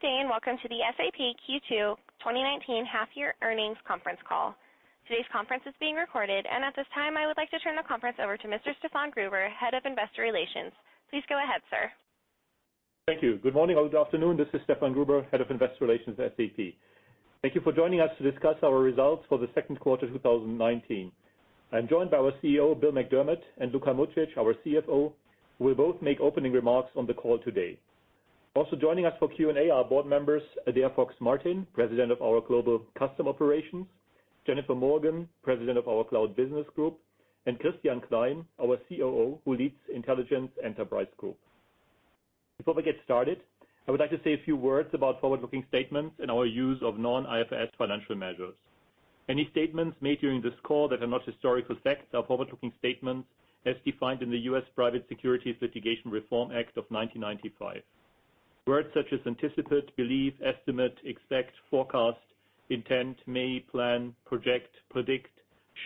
Good day, welcome to the SAP Q2 2019 half year earnings conference call. Today's conference is being recorded. At this time, I would like to turn the conference over to Mr. Stefan Gruber, Head of Investor Relations. Please go ahead, sir. Thank you. Good morning or good afternoon. This is Stefan Gruber, Head of Investor Relations at SAP. Thank you for joining us to discuss our results for the Q2 2019. I'm joined by our CEO, Bill McDermott, and Luka Mucic, our CFO, who will both make opening remarks on the call today. Also joining us for Q&A are board members, Adaire Fox-Martin, President of our Global Customer Operations, Jennifer Morgan, President of our Cloud Business Group, and Christian Klein, our COO, who leads Intelligent Enterprise Group. Before we get started, I would like to say a few words about forward-looking statements and our use of non-IFRS financial measures. Any statements made during this call that are not historical facts are forward-looking statements as defined in the U.S. Private Securities Litigation Reform Act of 1995. Words such as anticipate, believe, estimate, expect, forecast, intend, may, plan, project, predict,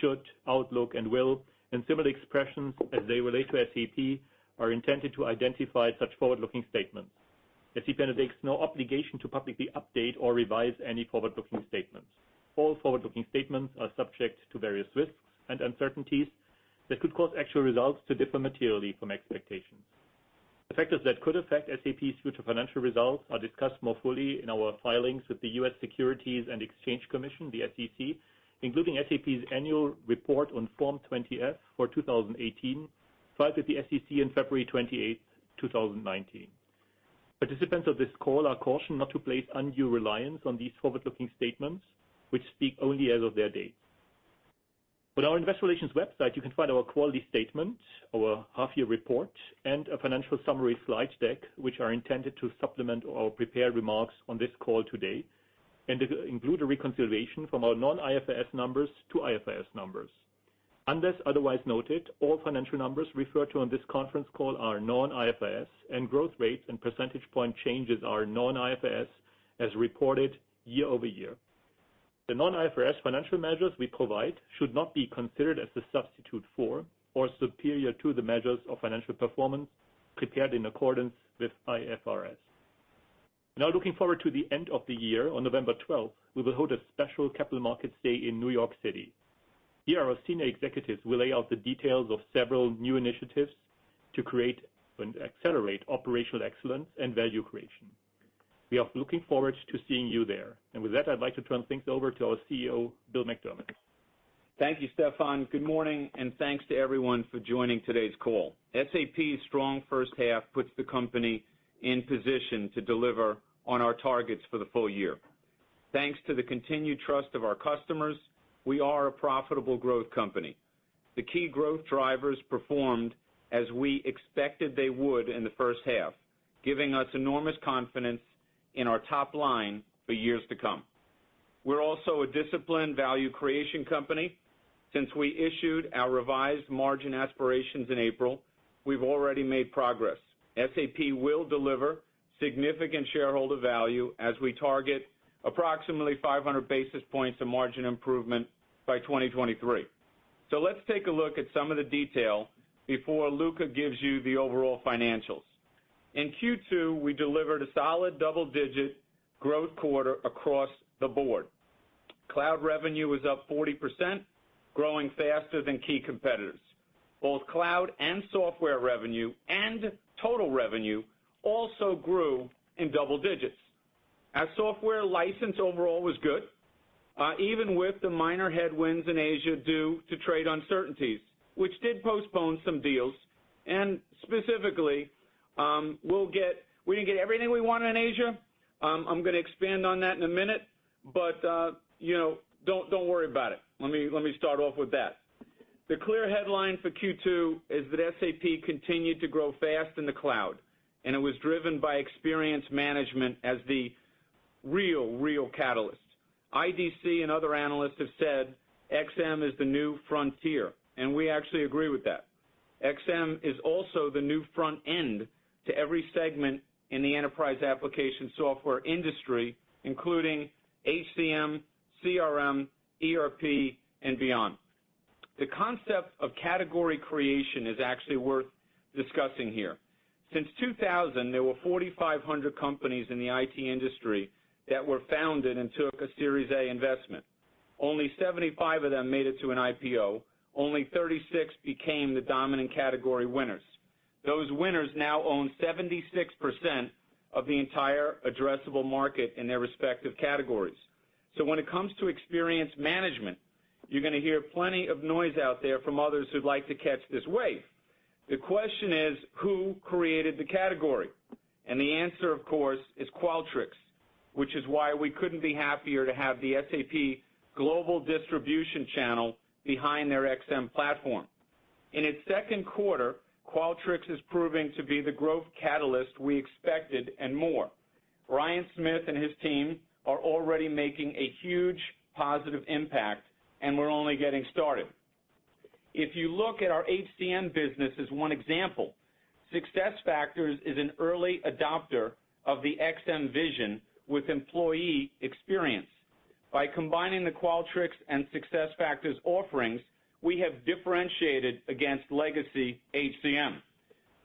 should, outlook, and will, and similar expressions as they relate to SAP, are intended to identify such forward-looking statements. SAP undertakes no obligation to publicly update or revise any forward-looking statements. All forward-looking statements are subject to various risks and uncertainties that could cause actual results to differ materially from expectations. The factors that could affect SAP's future financial results are discussed more fully in our filings with the U.S. Securities and Exchange Commission, the SEC, including SAP's annual report on Form 20-F for 2018, filed with the SEC on February 28, 2019. Participants of this call are cautioned not to place undue reliance on these forward-looking statements, which speak only as of their date. On our Investor Relations website, you can find our quarterly statement, our half year report, and a financial summary slide deck, which are intended to supplement or prepare remarks on this call today, and include a reconciliation from our non-IFRS numbers to IFRS numbers. Unless otherwise noted, all financial numbers referred to on this conference call are non-IFRS, and growth rates and percentage point changes are non-IFRS as reported year-over-year. The non-IFRS financial measures we provide should not be considered as a substitute for or superior to the measures of financial performance prepared in accordance with IFRS. Looking forward to the end of the year, on November 12th, we will hold a special Capital Markets Day in New York City. Here, our senior executives will lay out the details of several new initiatives to create and accelerate operational excellence and value creation. We are looking forward to seeing you there. With that, I'd like to turn things over to our CEO, Bill McDermott. Thank you, Stefan. Good morning, and thanks to everyone for joining today's call. SAP's strong H1 puts the company in position to deliver on our targets for the full year. Thanks to the continued trust of our customers, we are a profitable growth company. The key growth drivers performed as we expected they would in the H1, giving us enormous confidence in our top line for years to come. We're also a disciplined value creation company. Since we issued our revised margin aspirations in April, we've already made progress. SAP will deliver significant shareholder value as we target approximately 500 basis points of margin improvement by 2023. Let's take a look at some of the detail before Luka gives you the overall financials. In Q2, we delivered a solid double-digit growth quarter across the board. Cloud revenue was up 40%, growing faster than key competitors. Both cloud and software revenue and total revenue also grew in double digits. Our software license overall was good, even with the minor headwinds in Asia due to trade uncertainties, which did postpone some deals, and specifically, we didn't get everything we want in Asia. I'm going to expand on that in a minute, but don't worry about it. Let me start off with that. The clear headline for Q2 is that SAP continued to grow fast in the cloud, and it was driven by experience management as the real catalyst. IDC and other analysts have said XM is the new frontier, and we actually agree with that. XM is also the new front end to every segment in the enterprise application software industry, including HCM, CRM, ERP, and beyond. The concept of category creation is actually worth discussing here. Since 2000, there were 4,500 companies in the IT industry that were founded and took a Series A investment. Only 75 of them made it to an IPO. Only 36 became the dominant category winners. Those winners now own 76% of the entire addressable market in their respective categories. When it comes to experience management, you're going to hear plenty of noise out there from others who'd like to catch this wave. The question is, who created the category? The answer, of course, is Qualtrics, which is why we couldn't be happier to have the SAP global distribution channel behind their XM platform. In its Q2, Qualtrics is proving to be the growth catalyst we expected and more. Ryan Smith and his team are already making a huge positive impact, and we're only getting started. If you look at our HCM business as one example, SuccessFactors is an early adopter of the XM vision with employee experience. By combining the Qualtrics and SuccessFactors offerings, we have differentiated against legacy HCM.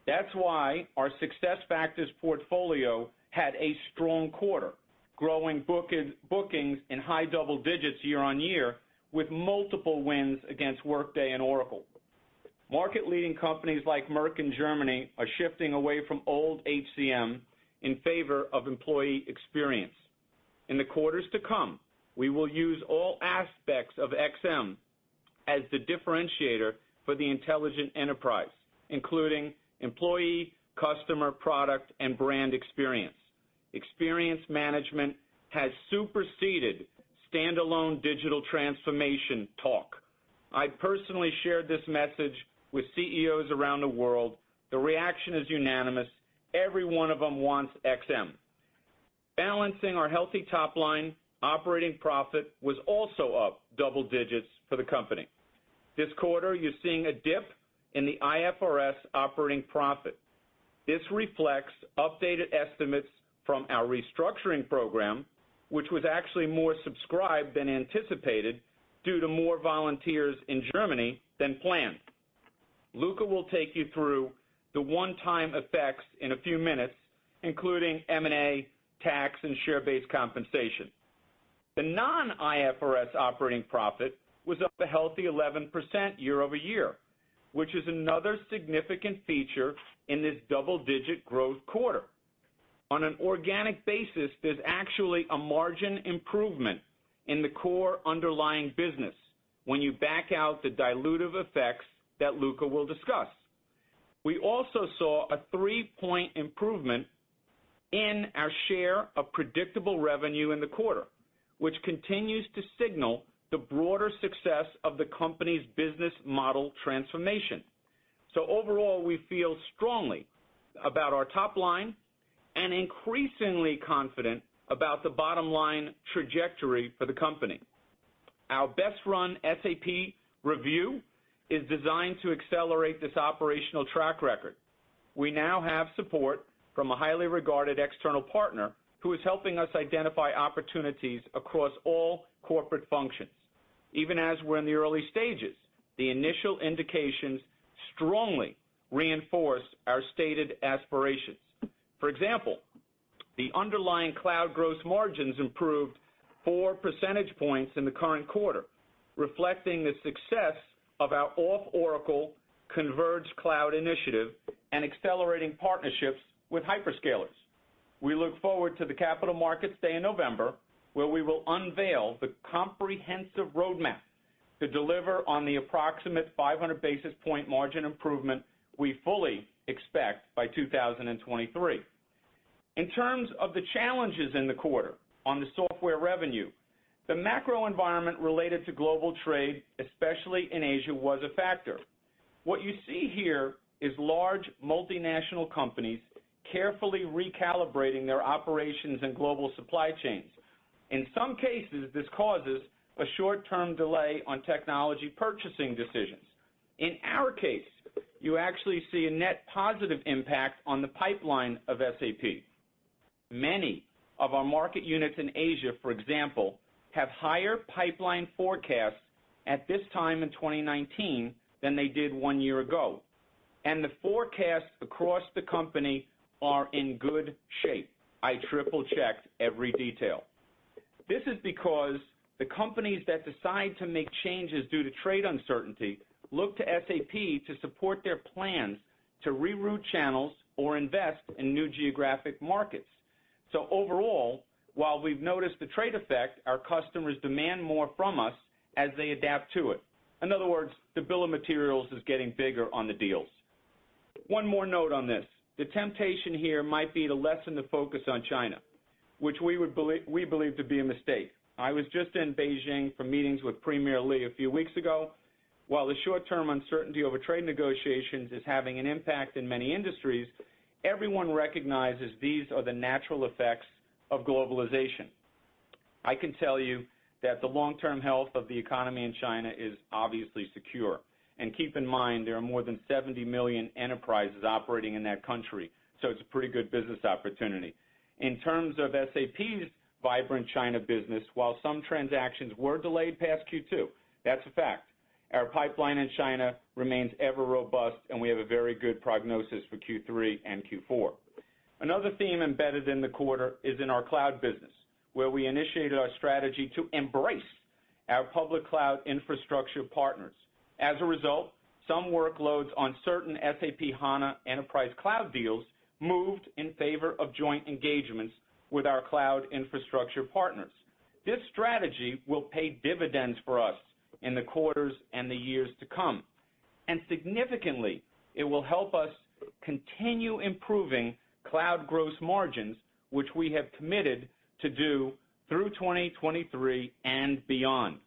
That's why our SuccessFactors portfolio had a strong quarter, growing bookings in high double digits year-over-year, with multiple wins against Workday and Oracle. Market-leading companies like Merck in Germany are shifting away from old HCM in favor of employee experience. In the quarters to come, we will use all aspects of XM as the differentiator for the Intelligent Enterprise, including employee, customer, product, and brand experience. Experience management has superseded standalone digital transformation talk. I personally shared this message with CEOs around the world. The reaction is unanimous. Every one of them wants XM. Balancing our healthy top line, operating profit was also up double digits for the company. This quarter, you're seeing a dip in the IFRS operating profit. This reflects updated estimates from our restructuring program, which was actually more subscribed than anticipated due to more volunteers in Germany than planned. Luka will take you through the one-time effects in a few minutes, including M&A, tax, and share-based compensation. The non-IFRS operating profit was up a healthy 11% year-over-year, which is another significant feature in this double-digit growth quarter. On an organic basis, there's actually a margin improvement in the core underlying business when you back out the dilutive effects that Luka will discuss. We also saw a three-point improvement in our share of predictable revenue in the quarter, which continues to signal the broader success of the company's business model transformation. Overall, we feel strongly about our top line and increasingly confident about the bottom-line trajectory for the company. Our best-run SAP review is designed to accelerate this operational track record. We now have support from a highly regarded external partner who is helping us identify opportunities across all corporate functions. Even as we're in the early stages, the initial indications strongly reinforce our stated aspirations. For example, the underlying cloud gross margins improved 4 percentage points in the current quarter, reflecting the success of our off-Oracle converged cloud initiative and accelerating partnerships with hyperscalers. We look forward to the Capital Markets Day in November, where we will unveil the comprehensive roadmap to deliver on the approximate 500 basis point margin improvement we fully expect by 2023. In terms of the challenges in the quarter on the software revenue, the macro environment related to global trade, especially in Asia, was a factor. What you see here is large multinational companies carefully recalibrating their operations and global supply chains. In some cases, this causes a short-term delay on technology purchasing decisions. In our case, you actually see a net positive impact on the pipeline of SAP. Many of our market units in Asia, for example, have higher pipeline forecasts at this time in 2019 than they did one year ago, and the forecasts across the company are in good shape. I triple-checked every detail. This is because the companies that decide to make changes due to trade uncertainty look to SAP to support their plans to reroute channels or invest in new geographic markets. Overall, while we've noticed the trade effect, our customers demand more from us as they adapt to it. In other words, the bill of materials is getting bigger on the deals. One more note on this. The temptation here might be to lessen the focus on China, which we believe to be a mistake. I was just in Beijing for meetings with Premier Li a few weeks ago. While the short-term uncertainty over trade negotiations is having an impact in many industries, everyone recognizes these are the natural effects of globalization. Keep in mind, there are more than 70 million enterprises operating in that country, so it's a pretty good business opportunity. In terms of SAP's vibrant China business, while some transactions were delayed past Q2, that's a fact. Our pipeline in China remains ever robust, and we have a very good prognosis for Q3 and Q4. Another theme embedded in the quarter is in our cloud business, where we initiated our strategy to Embrace our public cloud infrastructure partners. As a result, some workloads on certain SAP HANA Enterprise Cloud deals moved in favor of joint engagements with our cloud infrastructure partners. This strategy will pay dividends for us in the quarters and the years to come. Significantly, it will help us continue improving cloud gross margins, which we have committed to do through 2023 and beyond.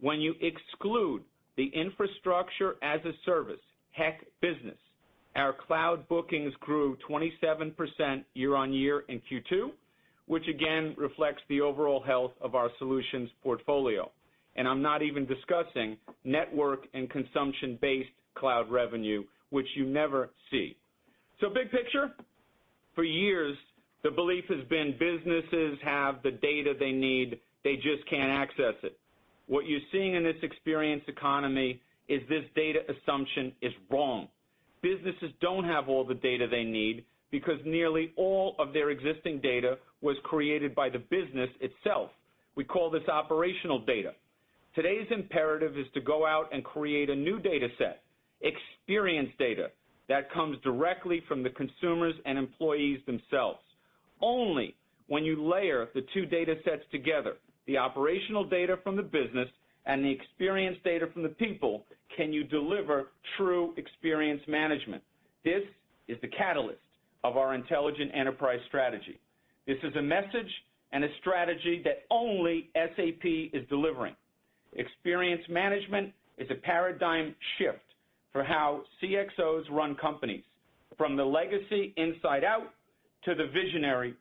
When you exclude the infrastructure-as-a-service HEC business, our cloud bookings grew 27% year-on-year in Q2, which again reflects the overall health of our solutions portfolio. I'm not even discussing network and consumption-based cloud revenue, which you never see. Big picture. For years, the belief has been businesses have the data they need, they just can't access it. What you're seeing in this experience economy is this data assumption is wrong. Businesses don't have all the data they need because nearly all of their existing data was created by the business itself. We call this operational data. Today's imperative is to go out and create a new data set, experience data, that comes directly from the consumers and employees themselves. Only when you layer the two data sets together, the operational data from the business and the experience data from the people, can you deliver true experience management. This is the catalyst of our intelligent enterprise strategy. This is a message and a strategy that only SAP is delivering. Experience management is a paradigm shift for how CXOs run companies. From the legacy inside-out to the visionary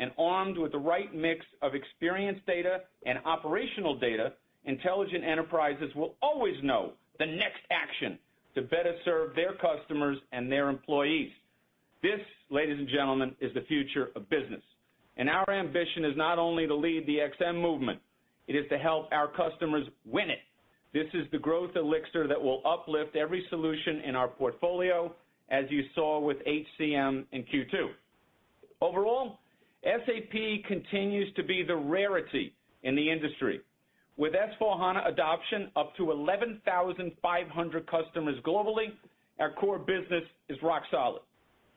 outside-in. Armed with the right mix of experience data and operational data, intelligent enterprises will always know the next action to better serve their customers and their employees. This, ladies and gentlemen, is the future of business. Our ambition is not only to lead the XM movement, it is to help our customers win it. This is the growth elixir that will uplift every solution in our portfolio, as you saw with HCM in Q2. Overall, SAP continues to be the rarity in the industry. With S/4HANA adoption up to 11,500 customers globally, our core business is rock solid.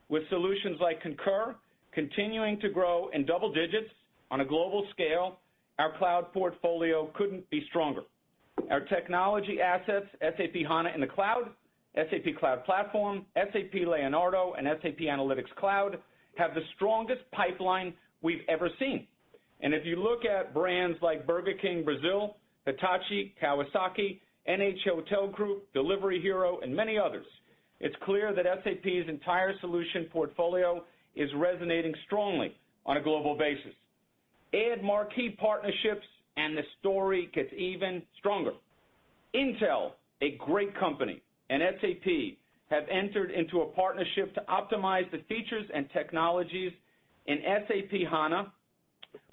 With solutions like Concur continuing to grow in double digits on a global scale, our cloud portfolio couldn't be stronger. Our technology assets, SAP HANA in the Cloud, SAP Cloud Platform, SAP Leonardo, and SAP Analytics Cloud, have the strongest pipeline we've ever seen. If you look at brands like Burger King Brazil, Hitachi, Kawasaki, NH Hotel Group, Delivery Hero, and many others, it's clear that SAP's entire solution portfolio is resonating strongly on a global basis. The story gets even stronger. Intel, a great company, and SAP have entered into a partnership to optimize the features and technologies in SAP HANA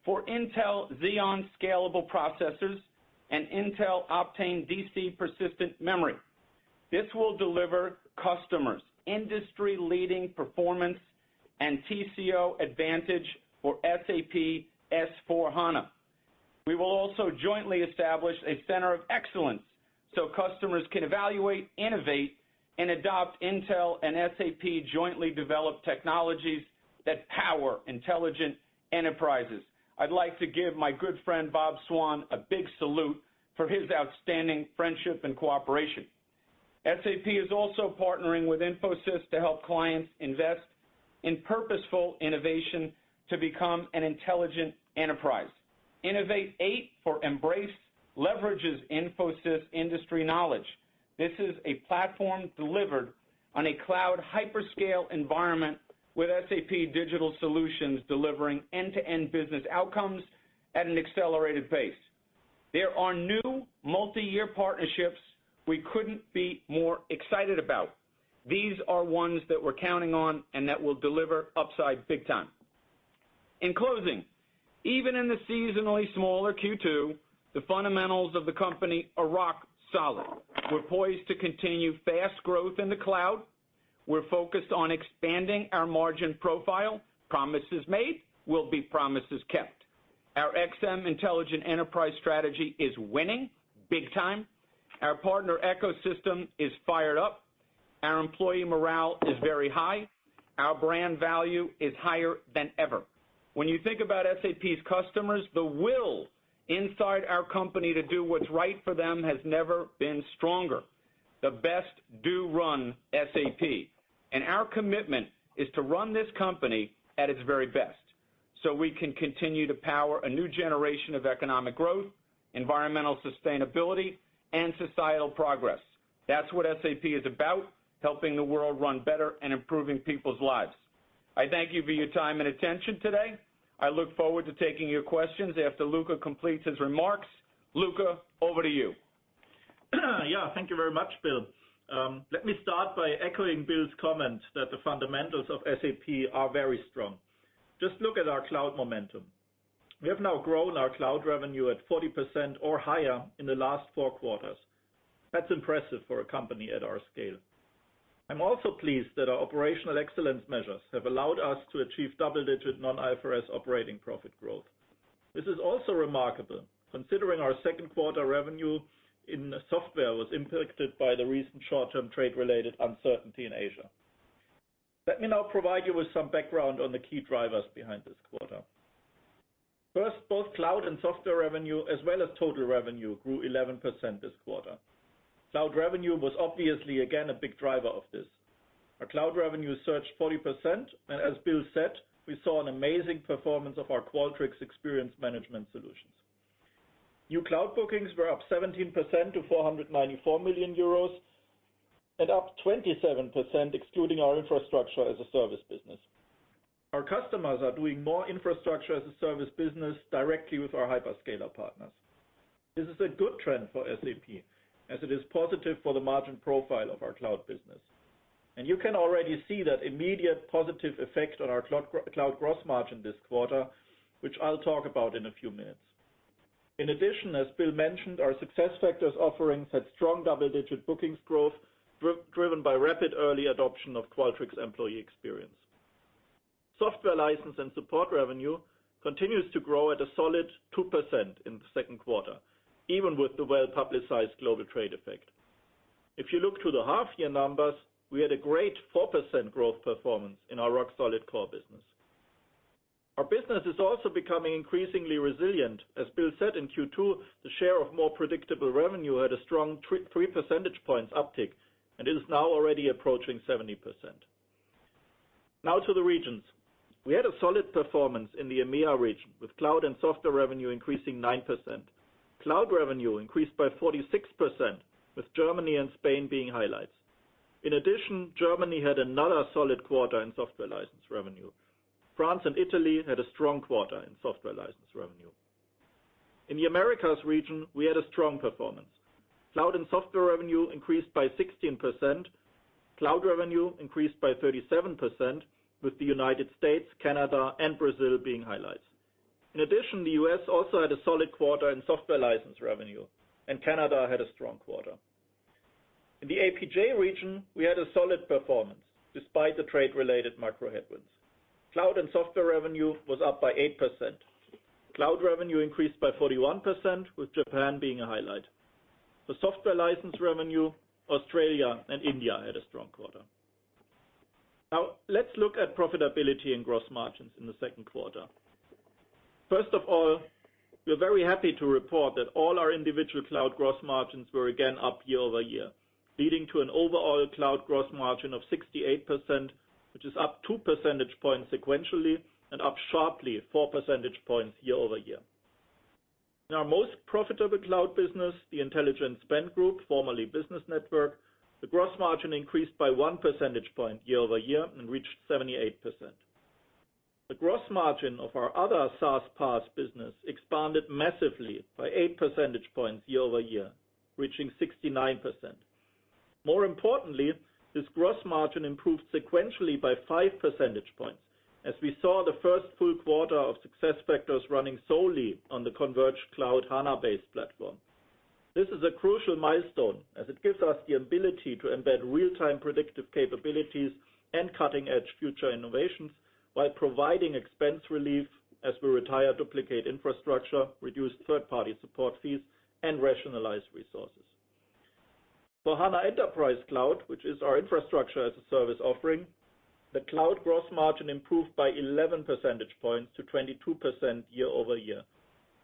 for Intel Xeon scalable processors and Intel Optane DC persistent memory. This will deliver customers industry-leading performance and TCO advantage for SAP S/4HANA. We will also jointly establish a center of excellence so customers can evaluate, innovate, and adopt Intel and SAP jointly developed technologies that power intelligent enterprises. I'd like to give my good friend Bob Swan a big salute for his outstanding friendship and cooperation. SAP is also partnering with Infosys to help clients invest in purposeful innovation to become an intelligent enterprise. Innov8 for Embrace leverages Infosys industry knowledge. This is a platform delivered on a cloud hyperscale environment with SAP digital solutions delivering end-to-end business outcomes at an accelerated pace. There are new multi-year partnerships we couldn't be more excited about. These are ones that we're counting on and that will deliver upside big time. In closing, even in the seasonally smaller Q2, the fundamentals of the company are rock solid. We're poised to continue fast growth in the cloud. We're focused on expanding our margin profile. Promises made will be promises kept. Our XM Intelligent Enterprise strategy is winning big time. Our partner ecosystem is fired up. Our employee morale is very high. Our brand value is higher than ever. When you think about SAP's customers, the will inside our company to do what's right for them has never been stronger. The best do run SAP. Our commitment is to run this company at its very best so we can continue to power a new generation of economic growth, environmental sustainability, and societal progress. That's what SAP is about, helping the world run better and improving people's lives. I thank you for your time and attention today. I look forward to taking your questions after Luka completes his remarks. Luka, over to you. Thank you very much, Bill. Let me start by echoing Bill's comment that the fundamentals of SAP are very strong. Just look at our cloud momentum. We have now grown our cloud revenue at 40% or higher in the last four quarters. That's impressive for a company at our scale. I'm also pleased that our operational excellence measures have allowed us to achieve double-digit non-IFRS operating profit growth. This is also remarkable considering our Q2 revenue in software was impacted by the recent short-term trade-related uncertainty in Asia. Let me now provide you with some background on the key drivers behind this quarter. First, both cloud and software revenue, as well as total revenue, grew 11% this quarter. Cloud revenue was obviously again a big driver of this. Our cloud revenue surged 40%, and as Bill said, we saw an amazing performance of our Qualtrics experience management solutions. New cloud bookings were up 17% to 494 million euros and up 27% excluding our infrastructure as a service business. Our customers are doing more infrastructure as a service business directly with our hyperscaler partners. This is a good trend for SAP as it is positive for the margin profile of our cloud business. You can already see that immediate positive effect on our cloud gross margin this quarter, which I'll talk about in a few minutes. In addition, as Bill mentioned, our SuccessFactors offerings had strong double-digit bookings growth, driven by rapid early adoption of Qualtrics employee experience. Software license and support revenue continues to grow at a solid 2% in the Q2, even with the well-publicized global trade effect. If you look to the half year numbers, we had a great 4% growth performance in our rock-solid core business. Our business is also becoming increasingly resilient. As Bill said, in Q2, the share of more predictable revenue had a strong three percentage points uptick, and is now already approaching 70%. To the regions. We had a solid performance in the EMEA region, with cloud and software revenue increasing 9%. Cloud revenue increased by 46%, with Germany and Spain being highlights. In addition, Germany had another solid quarter in software license revenue. France and Italy had a strong quarter in software license revenue. In the Americas region, we had a strong performance. Cloud and software revenue increased by 16%. Cloud revenue increased by 37%, with the United States, Canada, and Brazil being highlights. In addition, the U.S. also had a solid quarter in software license revenue, and Canada had a strong quarter. In the APJ region, we had a solid performance despite the trade-related macro headwinds. Cloud and software revenue was up by 8%. Cloud revenue increased by 41%, with Japan being a highlight. For software license revenue, Australia and India had a strong quarter. Let's look at profitability and gross margins in the Q2. First of all, we are very happy to report that all our individual cloud gross margins were again up year-over-year, leading to an overall cloud gross margin of 68%, which is up two percentage points sequentially and up sharply four percentage points year-over-year. In our most profitable cloud business, the Intelligent Spend Group, formerly Business Network, the gross margin increased by one percentage point year-over-year and reached 78%. The gross margin of our other SaaS PaaS business expanded massively by eight percentage points year-over-year, reaching 69%. More importantly, this gross margin improved sequentially by five percentage points as we saw the first full quarter of SuccessFactors running solely on the converged cloud HANA-based platform. This is a crucial milestone as it gives us the ability to embed real-time predictive capabilities and cutting-edge future innovations while providing expense relief as we retire duplicate infrastructure, reduce third-party support fees, and rationalize resources. For HANA Enterprise Cloud, which is our infrastructure as a service offering, the cloud gross margin improved by 11 percentage points to 22% year-over-year.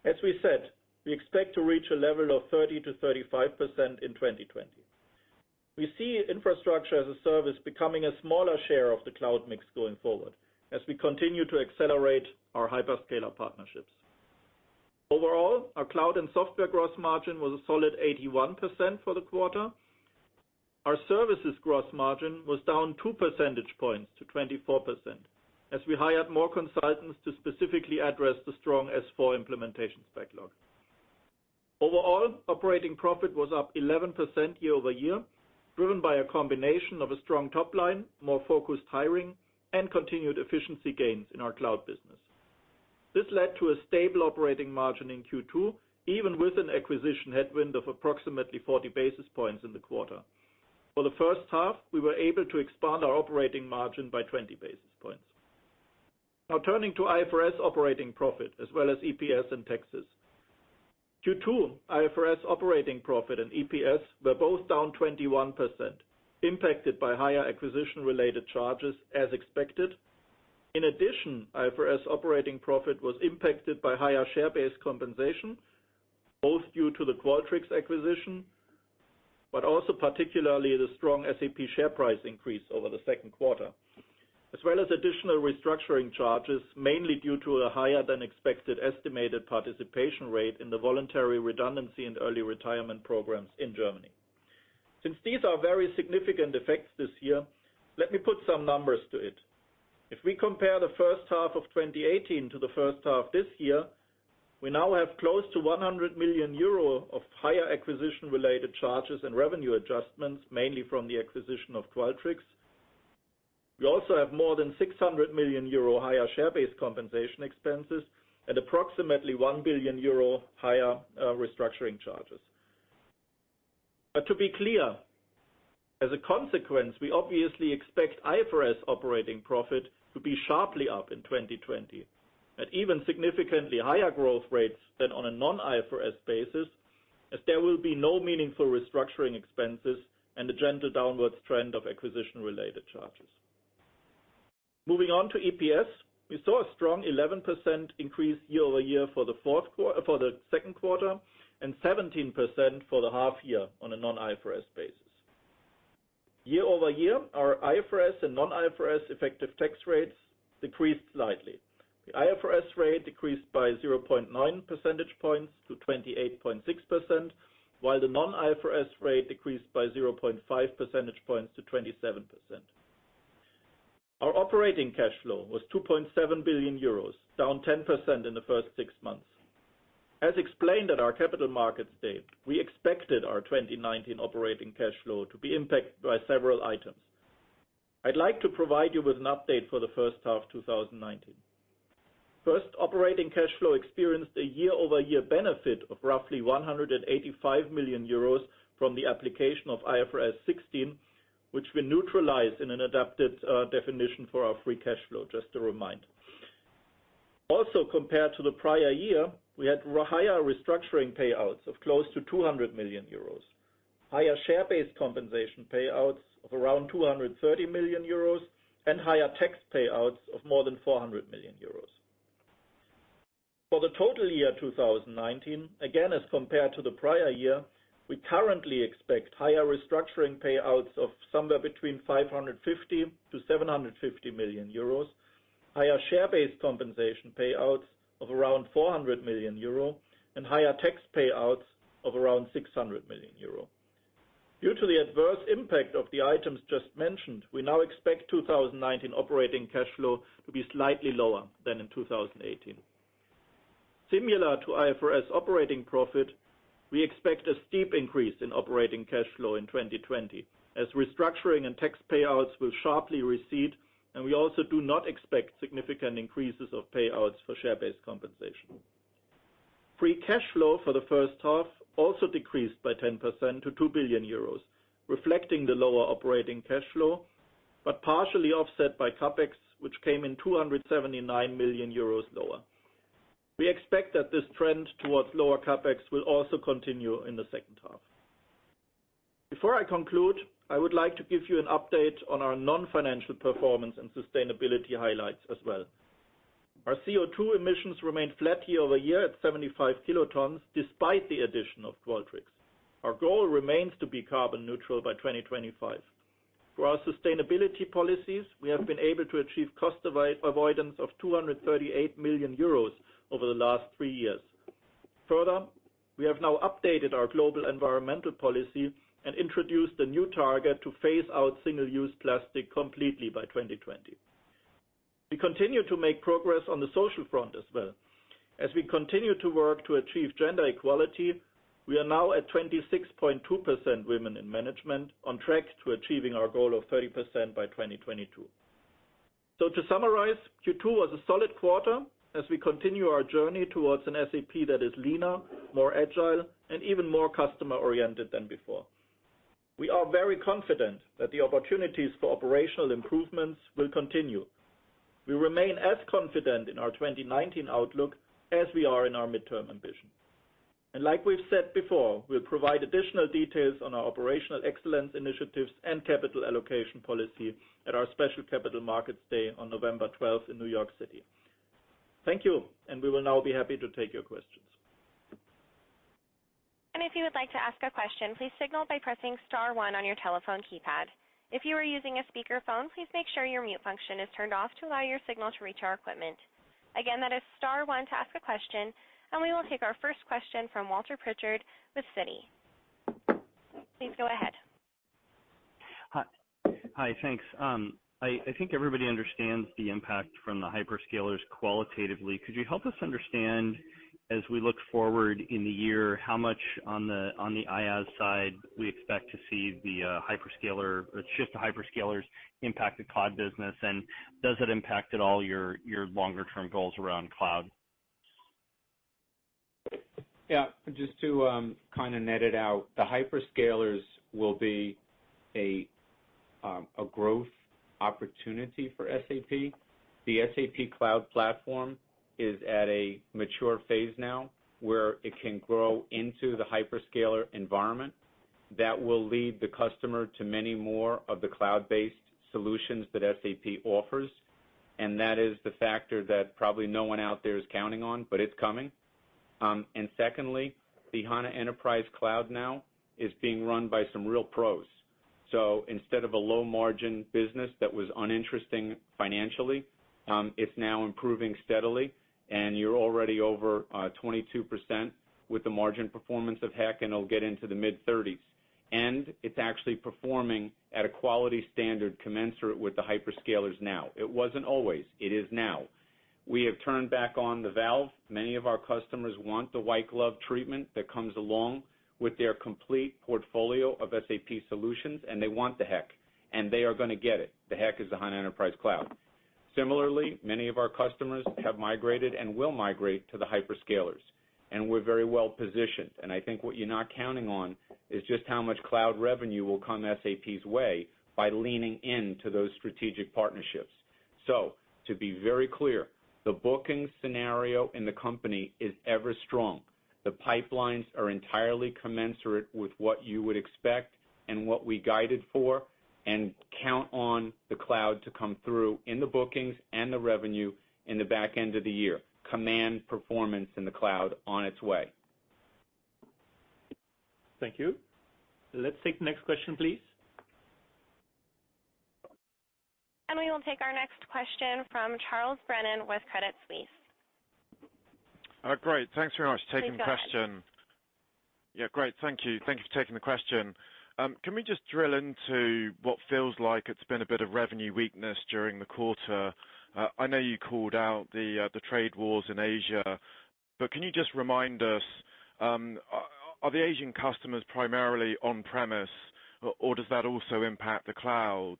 As we said, we expect to reach a level of 30%-35% in 2020. We see infrastructure as a service becoming a smaller share of the cloud mix going forward as we continue to accelerate our hyperscaler partnerships. Overall, our cloud and software gross margin was a solid 81% for the quarter. Our services gross margin was down two percentage points to 24% as we hired more consultants to specifically address the strong S/4 implementation backlog. Overall, operating profit was up 11% year-over-year, driven by a combination of a strong top line, more focused hiring, and continued efficiency gains in our cloud business. This led to a stable operating margin in Q2, even with an acquisition headwind of approximately 40 basis points in the quarter. For the H1, we were able to expand our operating margin by 20 basis points. Turning to IFRS operating profit as well as EPS and taxes. Q2 IFRS operating profit and EPS were both down 21%, impacted by higher acquisition-related charges as expected. In addition, IFRS operating profit was impacted by higher share-based compensation, both due to the Qualtrics acquisition, but also particularly the strong SAP share price increase over the Q2, as well as additional restructuring charges, mainly due to a higher-than-expected estimated participation rate in the voluntary redundancy and early retirement programs in Germany. These are very significant effects this year, let me put some numbers to it. If we compare the H1 of 2018 to the H1 this year, we now have close to 100 million euro of higher acquisition-related charges and revenue adjustments, mainly from the acquisition of Qualtrics. We also have more than 600 million euro higher share-based compensation expenses and approximately 1 billion euro higher restructuring charges. To be clear, as a consequence, we obviously expect IFRS operating profit to be sharply up in 2020 at even significantly higher growth rates than on a non-IFRS basis, as there will be no meaningful restructuring expenses and a gentle downwards trend of acquisition-related charges. Moving on to EPS, we saw a strong 11% increase year-over-year for the Q2 and 17% for the half year on a non-IFRS basis. Year-over-year, our IFRS and non-IFRS effective tax rates decreased slightly. The IFRS rate decreased by 0.9 percentage points to 28.6%, while the non-IFRS rate decreased by 0.5 percentage points to 27%. Our operating cash flow was 2.7 billion euros, down 10% in the first six months. As explained at our Capital Markets Day, we expected our 2019 operating cash flow to be impacted by several items. I'd like to provide you with an update for the H1 of 2019. First, operating cash flow experienced a year-over-year benefit of roughly 185 million euros from the application of IFRS 16, which we neutralized in an adapted definition for our free cash flow, just to remind. Also, compared to the prior year, we had higher restructuring payouts of close to 200 million euros, higher share-based compensation payouts of around 230 million euros, and higher tax payouts of more than 400 million euros. For the total year 2019, again, as compared to the prior year, we currently expect higher restructuring payouts of somewhere between 550 million-750 million euros, higher share-based compensation payouts of around 400 million euro, and higher tax payouts of around 600 million euro. Due to the adverse impact of the items just mentioned, we now expect 2019 operating cash flow to be slightly lower than in 2018. Similar to IFRS operating profit, we expect a steep increase in operating cash flow in 2020 as restructuring and tax payouts will sharply recede, and we also do not expect significant increases of payouts for share-based compensation. Free cash flow for the H1 also decreased by 10% to 2 billion euros, reflecting the lower operating cash flow, but partially offset by CapEx, which came in 279 million euros lower. We expect that this trend towards lower CapEx will also continue in the H2. Before I conclude, I would like to give you an update on our non-financial performance and sustainability highlights as well. Our CO2 emissions remained flat year-over-year at 75 kilotons, despite the addition of Qualtrics. Our goal remains to be carbon neutral by 2025. Through our sustainability policies, we have been able to achieve cost avoidance of 238 million euros over the last three years. Further, we have now updated our global environmental policy and introduced a new target to phase out single-use plastic completely by 2020. We continue to make progress on the social front as well. As we continue to work to achieve gender equality, we are now at 26.2% women in management, on track to achieving our goal of 30% by 2022. To summarize, Q2 was a solid quarter as we continue our journey towards an SAP that is leaner, more agile, and even more customer-oriented than before. We are very confident that the opportunities for operational improvements will continue. We remain as confident in our 2019 outlook as we are in our midterm ambition. Like we've said before, we'll provide additional details on our operational excellence initiatives and capital allocation policy at our special Capital Markets Day on November 12th in New York City. Thank you. We will now be happy to take your questions. If you would like to ask a question, please signal by pressing star one on your telephone keypad. If you are using a speakerphone, please make sure your mute function is turned off to allow your signal to reach our equipment. Again, that is star one to ask a question. We will take our first question from Walter Pritchard with Citi. Please go ahead. Hi. Thanks. I think everybody understands the impact from the hyperscalers qualitatively. Could you help us understand, as we look forward in the year, how much on the IaaS side we expect to see the shift to hyperscalers impact the cloud business, and does it impact at all your longer-term goals around cloud? Yeah. Just to net it out, the hyperscalers will be a growth opportunity for SAP. The SAP Cloud Platform is at a mature phase now where it can grow into the hyperscaler environment that will lead the customer to many more of the cloud-based solutions that SAP offers. That is the factor that probably no one out there is counting on, but it's coming. Secondly, the SAP HANA Enterprise Cloud now is being run by some real pros. Instead of a low-margin business that was uninteresting financially, it's now improving steadily, and you're already over 22% with the margin performance of HEC, and it'll get into the mid-30s. It's actually performing at a quality standard commensurate with the hyperscalers now. It wasn't always, it is now. We have turned back on the valve. Many of our customers want the white glove treatment that comes along with their complete portfolio of SAP solutions. They want the HEC, and they are going to get it. The HEC is the SAP HANA Enterprise Cloud. Similarly, many of our customers have migrated and will migrate to the hyperscalers, and we're very well positioned. I think what you're not counting on is just how much cloud revenue will come SAP's way by leaning into those strategic partnerships. To be very clear, the booking scenario in the company is ever strong. The pipelines are entirely commensurate with what you would expect and what we guided for. Count on the cloud to come through in the bookings and the revenue in the back end of the year. Command performance in the cloud on its way. Thank you. Let's take the next question, please. We will take our next question from Charles Brennan with Credit Suisse. Oh, great. Thanks very much for taking the question. Please go ahead. Yeah, great. Thank you. Thank you for taking the question. Can we just drill into what feels like it's been a bit of revenue weakness during the quarter? I know you called out the trade wars in Asia. Can you just remind us, are the Asian customers primarily on-premise, or does that also impact the cloud?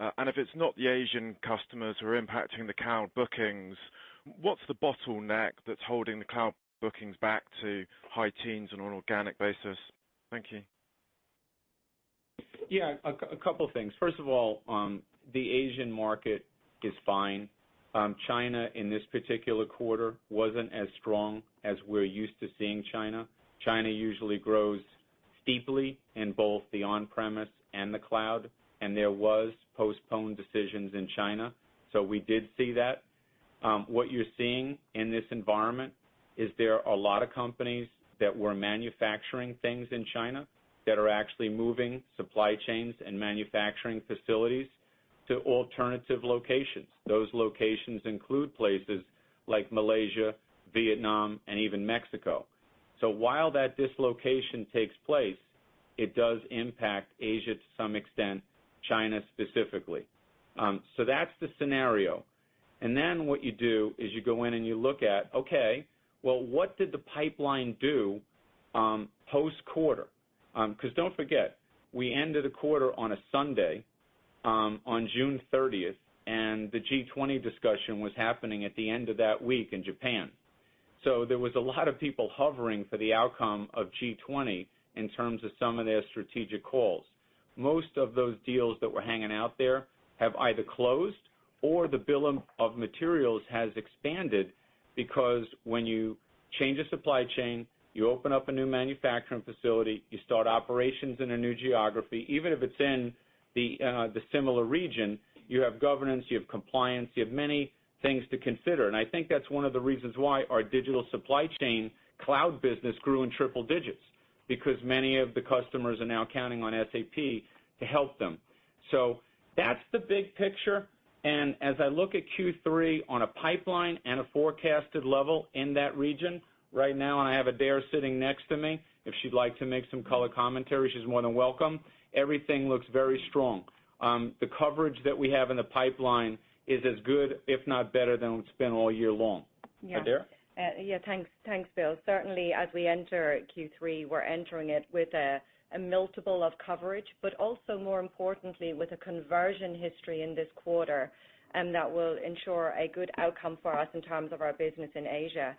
If it's not the Asian customers who are impacting the cloud bookings, what's the bottleneck that's holding the cloud bookings back to high teens on an organic basis? Thank you. A couple things. First of all, the Asian market is fine. China, in this particular quarter, wasn't as strong as we're used to seeing China. China usually grows steeply in both the on-premise and the cloud, and there were postponed decisions in China. We did see that. What you're seeing in this environment is there are a lot of companies that were manufacturing things in China that are actually moving supply chains and manufacturing facilities to alternative locations. Those locations include places like Malaysia, Vietnam, and even Mexico. While that dislocation takes place, it does impact Asia to some extent, China specifically. That's the scenario. What you do is you go in and you look at, okay, well, what did the pipeline do post-quarter? Don't forget, we ended the quarter on a Sunday, on June 30th, and the G20 discussion was happening at the end of that week in Japan. There were a lot of people hovering for the outcome of G20 in terms of some of their strategic calls. Most of those deals that were hanging out there have either closed or the bill of materials has expanded because when you change a supply chain, you open up a new manufacturing facility, you start operations in a new geography, even if it's in the similar region. You have governance, you have compliance, you have many things to consider. I think that's one of the reasons why our digital supply chain cloud business grew in triple digits. Many of the customers are now counting on SAP to help them. That's the big picture, as I look at Q3 on a pipeline and a forecasted level in that region right now, and I have Adaire sitting next to me. If she'd like to make some color commentary, she's more than welcome. Everything looks very strong. The coverage that we have in the pipeline is as good, if not better, than what's been all year long. Adaire? Thanks, Bill. Certainly, as we enter Q3, we're entering it with a multiple of coverage, but also more importantly, with a conversion history in this quarter, and that will ensure a good outcome for us in terms of our business in Asia.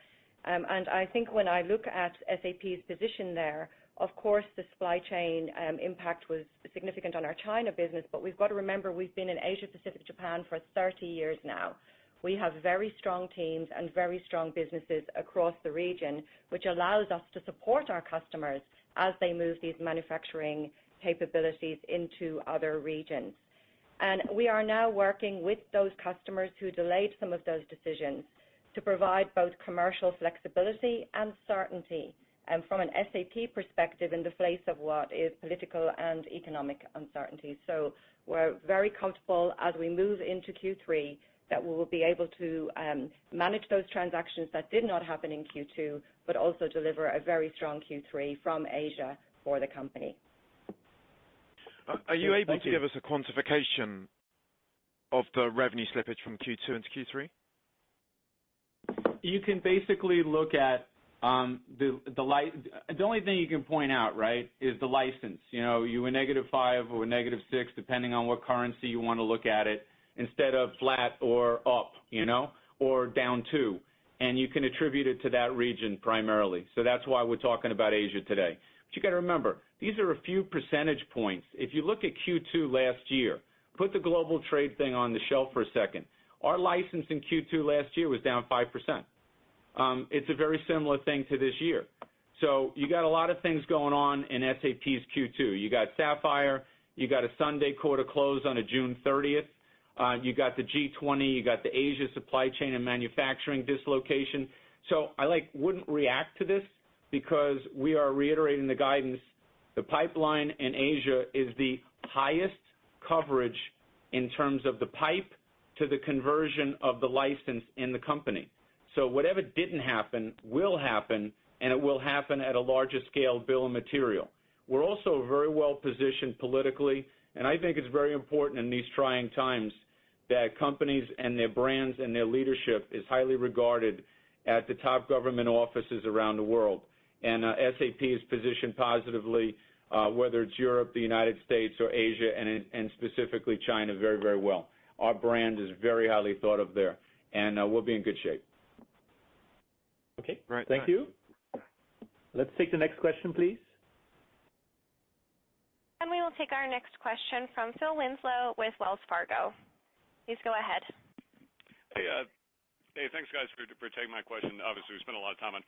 I think when I look at SAP's position there, of course, the supply chain impact was significant on our China business, but we've got to remember, we've been in Asia, Pacific, Japan for 30 years now. We have very strong teams and very strong businesses across the region, which allows us to support our customers as they move these manufacturing capabilities into other regions. We are now working with those customers who delayed some of those decisions to provide both commercial flexibility and certainty, and from an SAP perspective, in the face of what is political and economic uncertainty. We're very comfortable as we move into Q3 that we will be able to manage those transactions that did not happen in Q2, but also deliver a very strong Q3 from Asia for the company. Are you able to give us a quantification of the revenue slippage from Q2 into Q3? You can basically look at the only thing you can point out, right, is the license. You were negative five or negative six, depending on what currency you want to look at it, instead of flat or up or down two, and you can attribute it to that region primarily. That's why we're talking about Asia today. You got to remember, these are a few percentage points. If you look at Q2 last year, put the global trade thing on the shelf for a second. Our license in Q2 last year was down 5%. It's a very similar thing to this year. You got a lot of things going on in SAP's Q2. You got SAP Sapphire, you got a Sunday quarter close on a June 30th. You got the G20, you got the Asia supply chain and manufacturing dislocation. I wouldn't react to this because we are reiterating the guidance. The pipeline in Asia is the highest coverage in terms of the pipe to the conversion of the license in the company. Whatever didn't happen will happen, and it will happen at a larger scale bill of material. We're also very well-positioned politically, and I think it's very important in these trying times that companies and their brands and their leadership is highly regarded at the top government offices around the world. SAP is positioned positively, whether it's Europe, the United States, or Asia, and specifically China, very well. Our brand is very highly thought of there, and we'll be in good shape. Okay. Thank you. Let's take the next question, please. We will take our next question from Phil Winslow with Wells Fargo. Please go ahead. Hey. Thanks, guys, for taking my question. Obviously, we spent a lot of time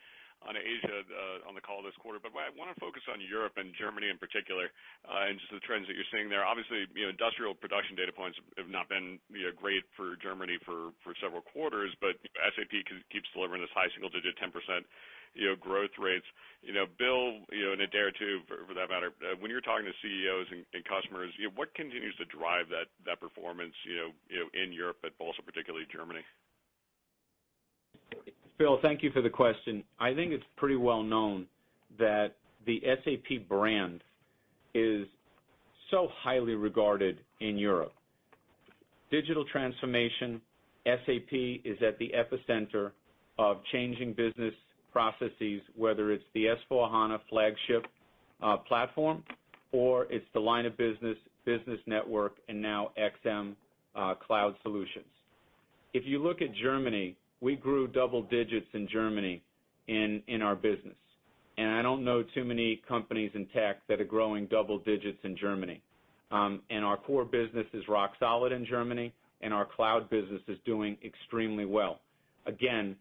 on Asia on the call this quarter. I want to focus on Europe and Germany in particular and just the trends that you're seeing there. Obviously, industrial production data points have not been great for Germany for several quarters, SAP keeps delivering this high single-digit 10% growth rates. Bill, and Adaire too for that matter, when you're talking to CEOs and customers, what continues to drive that performance in Europe, but also particularly Germany? Phil, thank you for the question. I think it's pretty well known that the SAP brand is so highly regarded in Europe. Digital transformation, SAP is at the epicenter of changing business processes, whether it's the S/4HANA flagship platform or it's the line of business, Business Network, and now XM Cloud solutions. If you look at Germany, we grew double digits in Germany in our business. I don't know too many companies in tech that are growing double digits in Germany. Our core business is rock solid in Germany, and our cloud business is doing extremely well. Again,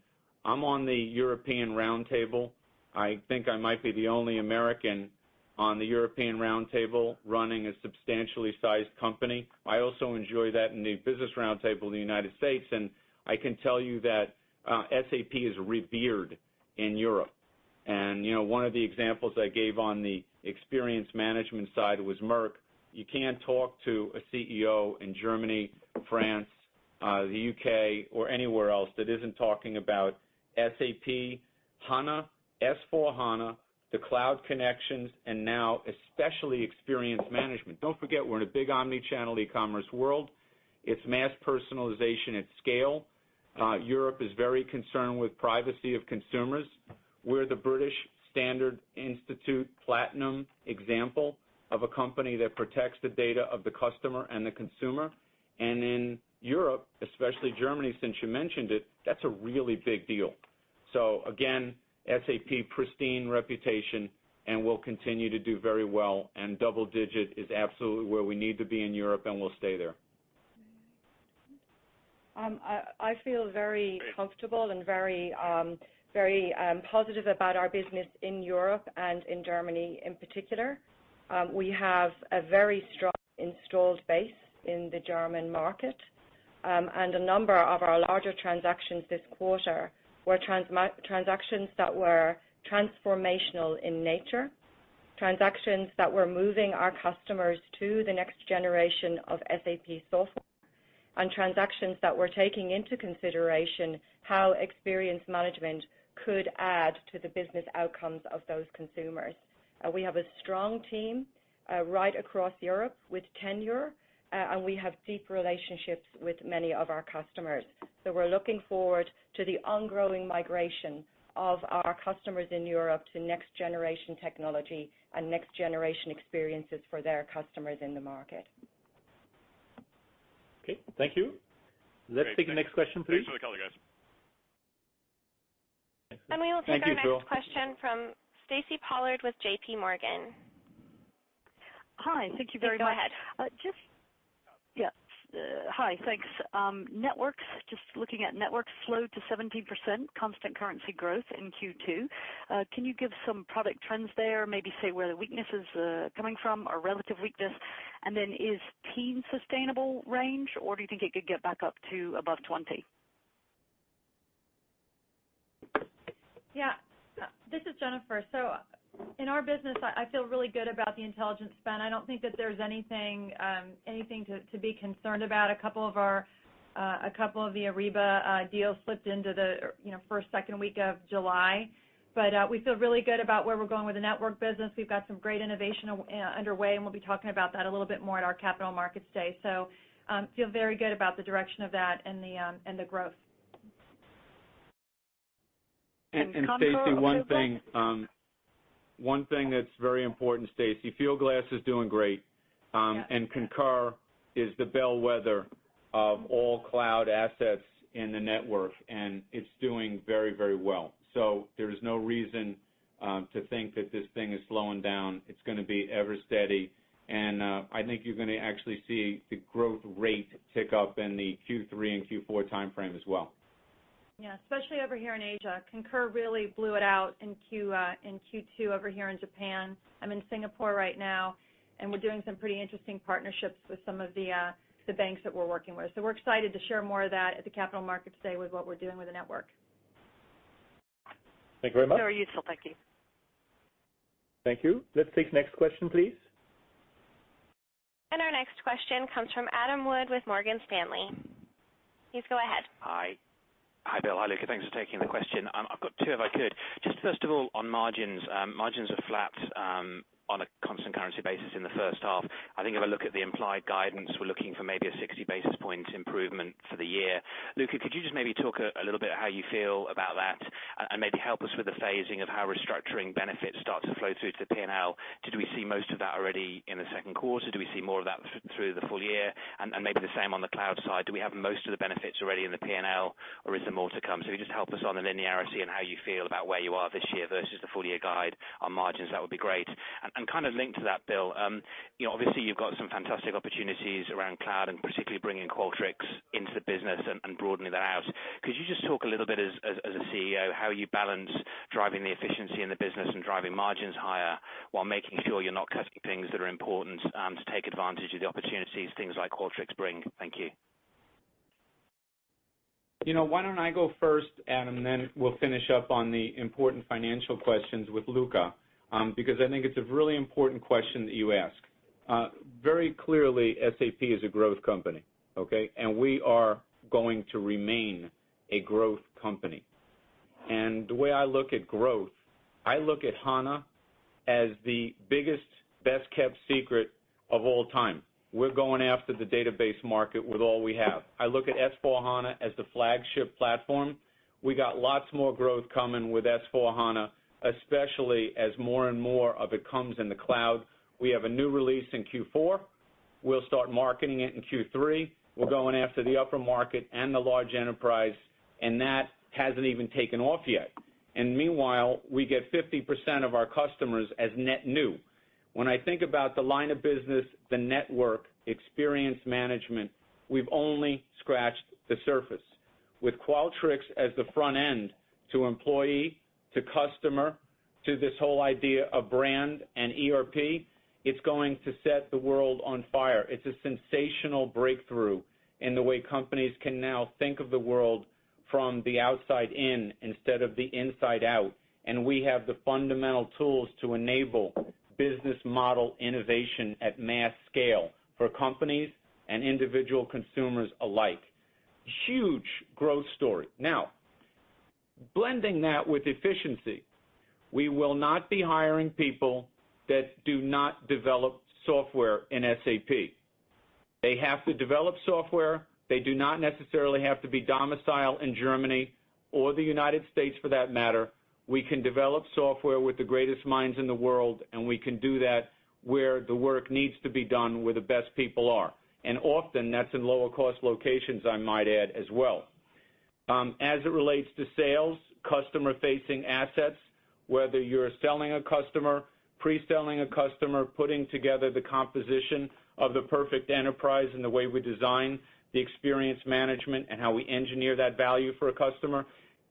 I'm on the European Round Table. I think I might be the only American on the European Round Table running a substantially sized company. I also enjoy that in the business round table in the United States, I can tell you that SAP is revered in Europe. One of the examples I gave on the experience management side was Merck. You can't talk to a CEO in Germany, France, the U.K. or anywhere else that isn't talking about SAP, HANA, S/4HANA, the cloud connections, and now especially experience management. Don't forget, we're in a big omni-channel e-commerce world. It's mass personalization at scale. Europe is very concerned with privacy of consumers. We're the British Standards Institution platinum example of a company that protects the data of the customer and the consumer. In Europe, especially Germany, since you mentioned it, that's a really big deal. Again, SAP, pristine reputation, and we'll continue to do very well, and double digit is absolutely where we need to be in Europe, and we'll stay there. I feel very comfortable and very positive about our business in Europe and in Germany in particular. We have a very strong installed base in the German market, and a number of our larger transactions this quarter were transactions that were transformational in nature, transactions that were moving our customers to the next generation of SAP software, and transactions that were taking into consideration how experience management could add to the business outcomes of those consumers. We have a strong team right across Europe with tenure, and we have deep relationships with many of our customers. We're looking forward to the ongoing migration of our customers in Europe to next generation technology and next generation experiences for their customers in the market. Okay. Thank you. Let's take the next question, please. Thanks for the color, guys. Thank you. Thank you, Bill. We will take our next question from Stacy Pollard with JPMorgan. Hi. Thank you very much. Please go ahead. Hi. Thanks. Networks, just looking at networks slowed to 17% constant currency growth in Q2. Can you give some product trends there, maybe say where the weakness is coming from or relative weakness? Then is teen sustainable range, or do you think it could get back up to above 20%? Yeah. This is Jennifer. In our business, I feel really good about the intelligence spend. I don't think that there's anything to be concerned about. A couple of the Ariba deals slipped into the first, second week of July. We feel really good about where we're going with the network business. We've got some great innovation underway, and we'll be talking about that a little bit more at our Capital Markets Day. Feel very good about the direction of that and the growth. Stacy, one thing that's very important, Stacy, Fieldglass is doing great. Concur is the bellwether of all cloud assets in the network, and it's doing very well. There is no reason to think that this thing is slowing down. It's going to be ever steady. I think you're going to actually see the growth rate tick up in the Q3 and Q4 timeframe as well. Yeah. Especially over here in Asia. Concur really blew it out in Q2 over here in Japan. I'm in Singapore right now, and we're doing some pretty interesting partnerships with some of the banks that we're working with. We're excited to share more of that at the Capital Markets Day with what we're doing with the network. Thank you very much. Very useful. Thank you. Thank you. Let's take the next question, please. Our next question comes from Adam Wood with Morgan Stanley. Please go ahead. Hi, Bill. Hi, Luka. Thanks for taking the question. I've got two, if I could. Just first of all, on margins. Margins are flat on a constant currency basis in the H1. I think if I look at the implied guidance, we're looking for maybe a 60 basis point improvement for the year. Luka, could you just maybe talk a little bit how you feel about that and maybe help us with the phasing of how restructuring benefits start to flow through to the P&L? Did we see most of that already in the Q2? Do we see more of that through the full year? Maybe the same on the cloud side. Do we have most of the benefits already in the P&L, or is there more to come? If you could just help us on the linearity and how you feel about where you are this year versus the full-year guide on margins, that would be great. Kind of linked to that, Bill, obviously you've got some fantastic opportunities around cloud and particularly bringing Qualtrics into the business and broadening that out. Could you just talk a little bit as a CEO, how you balance driving the efficiency in the business and driving margins higher while making sure you're not cutting things that are important to take advantage of the opportunities things like Qualtrics bring? Thank you. Why don't I go first, Adam, and then we'll finish up on the important financial questions with Luka, because I think it's a really important question that you ask. Very clearly, SAP is a growth company, okay? We are going to remain a growth company. The way I look at growth, I look at HANA as the biggest, best-kept secret of all time. We're going after the database market with all we have. I look at S/4HANA as the flagship platform. We got lots more growth coming with S/4HANA, especially as more and more of it comes in the cloud. We have a new release in Q4. We'll start marketing it in Q3. We're going after the upper market and the large enterprise, and that hasn't even taken off yet. Meanwhile, we get 50% of our customers as net new. When I think about the line of business, the network, experience management, we've only scratched the surface. With Qualtrics as the front end to employee, to customer, to this whole idea of brand and ERP, it's going to set the world on fire. It's a sensational breakthrough in the way companies can now think of the world from the outside in, instead of the inside out. We have the fundamental tools to enable business model innovation at mass scale for companies and individual consumers alike. Huge growth story. Blending that with efficiency, we will not be hiring people that do not develop software in SAP. They have to develop software. They do not necessarily have to be domiciled in Germany or the United States, for that matter. We can develop software with the greatest minds in the world. We can do that where the work needs to be done, where the best people are. Often, that's in lower cost locations, I might add as well. As it relates to sales, customer-facing assets, whether you're selling a customer, pre-selling a customer, putting together the composition of the perfect enterprise and the way we design the experience management and how we engineer that value for a customer,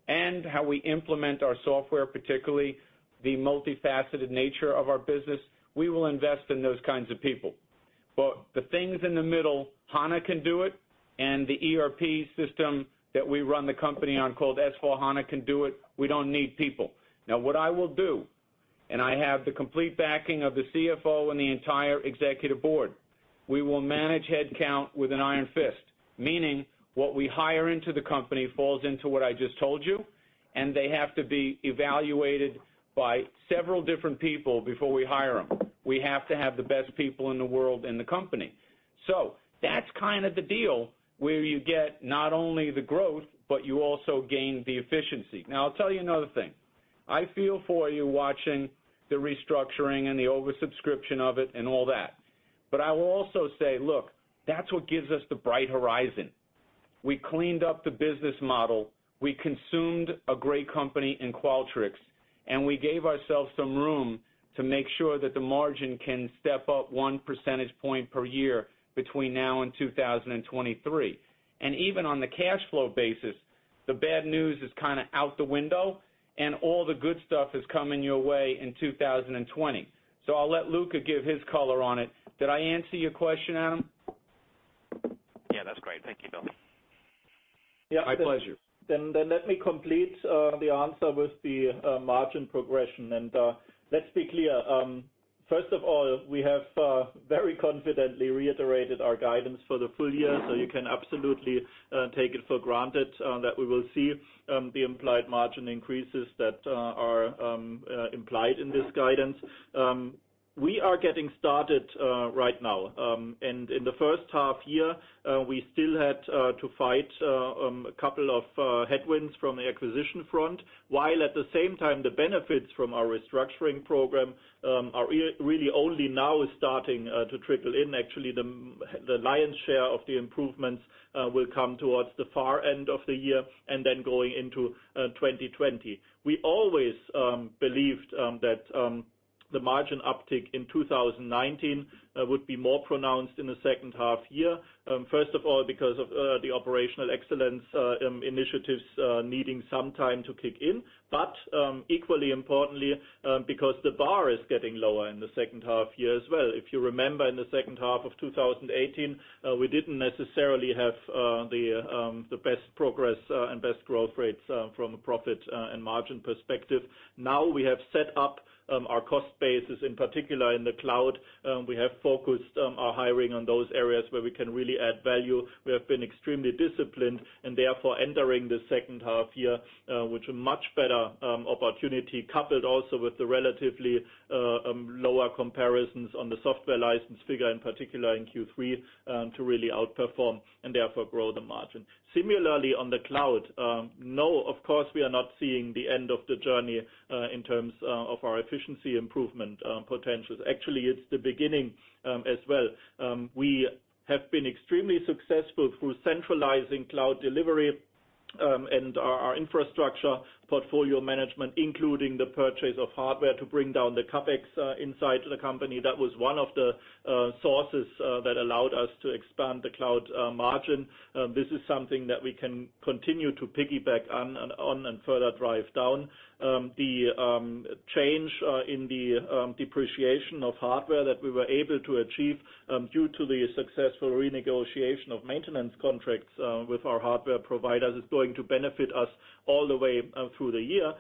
and how we implement our software, particularly the multifaceted nature of our business, we will invest in those kinds of people. The things in the middle, HANA can do it, and the ERP system that we run the company on called S/4HANA can do it. We don't need people. What I will do, I have the complete backing of the CFO and the entire executive board, we will manage headcount with an iron fist, meaning what we hire into the company falls into what I just told you, and they have to be evaluated by several different people before we hire them. We have to have the best people in the world in the company. That's kind of the deal where you get not only the growth, but you also gain the efficiency. I'll tell you another thing. I feel for you watching the restructuring and the oversubscription of it and all that. I will also say, look, that's what gives us the bright horizon. We cleaned up the business model, we consumed a great company in Qualtrics, we gave ourselves some room to make sure that the margin can step up one percentage point per year between now and 2023. Even on the cash flow basis, the bad news is kind of out the window and all the good stuff is coming your way in 2020. I'll let Luka give his color on it. Did I answer your question, Adam? Yeah, that's great. Thank you, Bill. My pleasure. Let me complete the answer with the margin progression. Let's be clear. First of all, we have very confidently reiterated our guidance for the full year, you can absolutely take it for granted that we will see the implied margin increases that are implied in this guidance. We are getting started right now. In the H1 year, we still had to fight a couple of headwinds from the acquisition front, while at the same time, the benefits from our restructuring program are really only now starting to trickle in. Actually, the lion's share of the improvements will come towards the far end of the year and then going into 2020. We always believed that the margin uptick in 2019 would be more pronounced in the H2 year. First of all, because of the operational excellence initiatives needing some time to kick in, equally importantly, because the bar is getting lower in the H2 year as well. If you remember, in the H2 of 2018, we didn't necessarily have the best progress and best growth rates from a profit and margin perspective. Now we have set up our cost bases, in particular in the cloud. We have focused our hiring on those areas where we can really add value. We have been extremely disciplined, therefore entering the H2 year with a much better opportunity, coupled also with the relatively lower comparisons on the software license figure, in particular in Q3, to really outperform and therefore grow the margin. Similarly, on the cloud, no, of course, we are not seeing the end of the journey in terms of our efficiency improvement potentials. Actually, it's the beginning as well. We have been extremely successful through centralizing cloud delivery and our infrastructure portfolio management, including the purchase of hardware to bring down the CapEx inside the company, that was one of the sources that allowed us to expand the cloud margin. This is something that we can continue to piggyback on and further drive down. The change in the depreciation of hardware that we were able to achieve due to the successful renegotiation of maintenance contracts with our hardware providers is going to benefit us all the way through the year.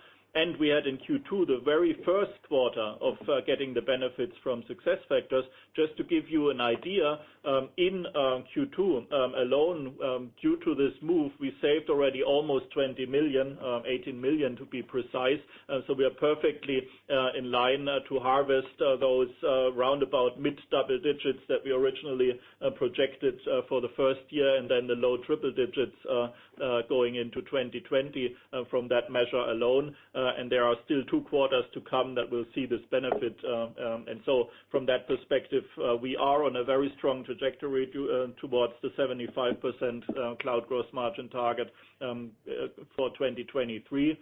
We had in Q2, the very Q1 of getting the benefits from SuccessFactors. Just to give you an idea, in Q2 alone, due to this move, we saved already almost 20 million, 18 million to be precise. We are perfectly in line to harvest those roundabout mid double digits that we originally projected for the first year, and then the low triple digits going into 2020 from that measure alone. There are still two quarters to come that will see this benefit. From that perspective, we are on a very strong trajectory towards the 75% cloud gross margin target for 2023.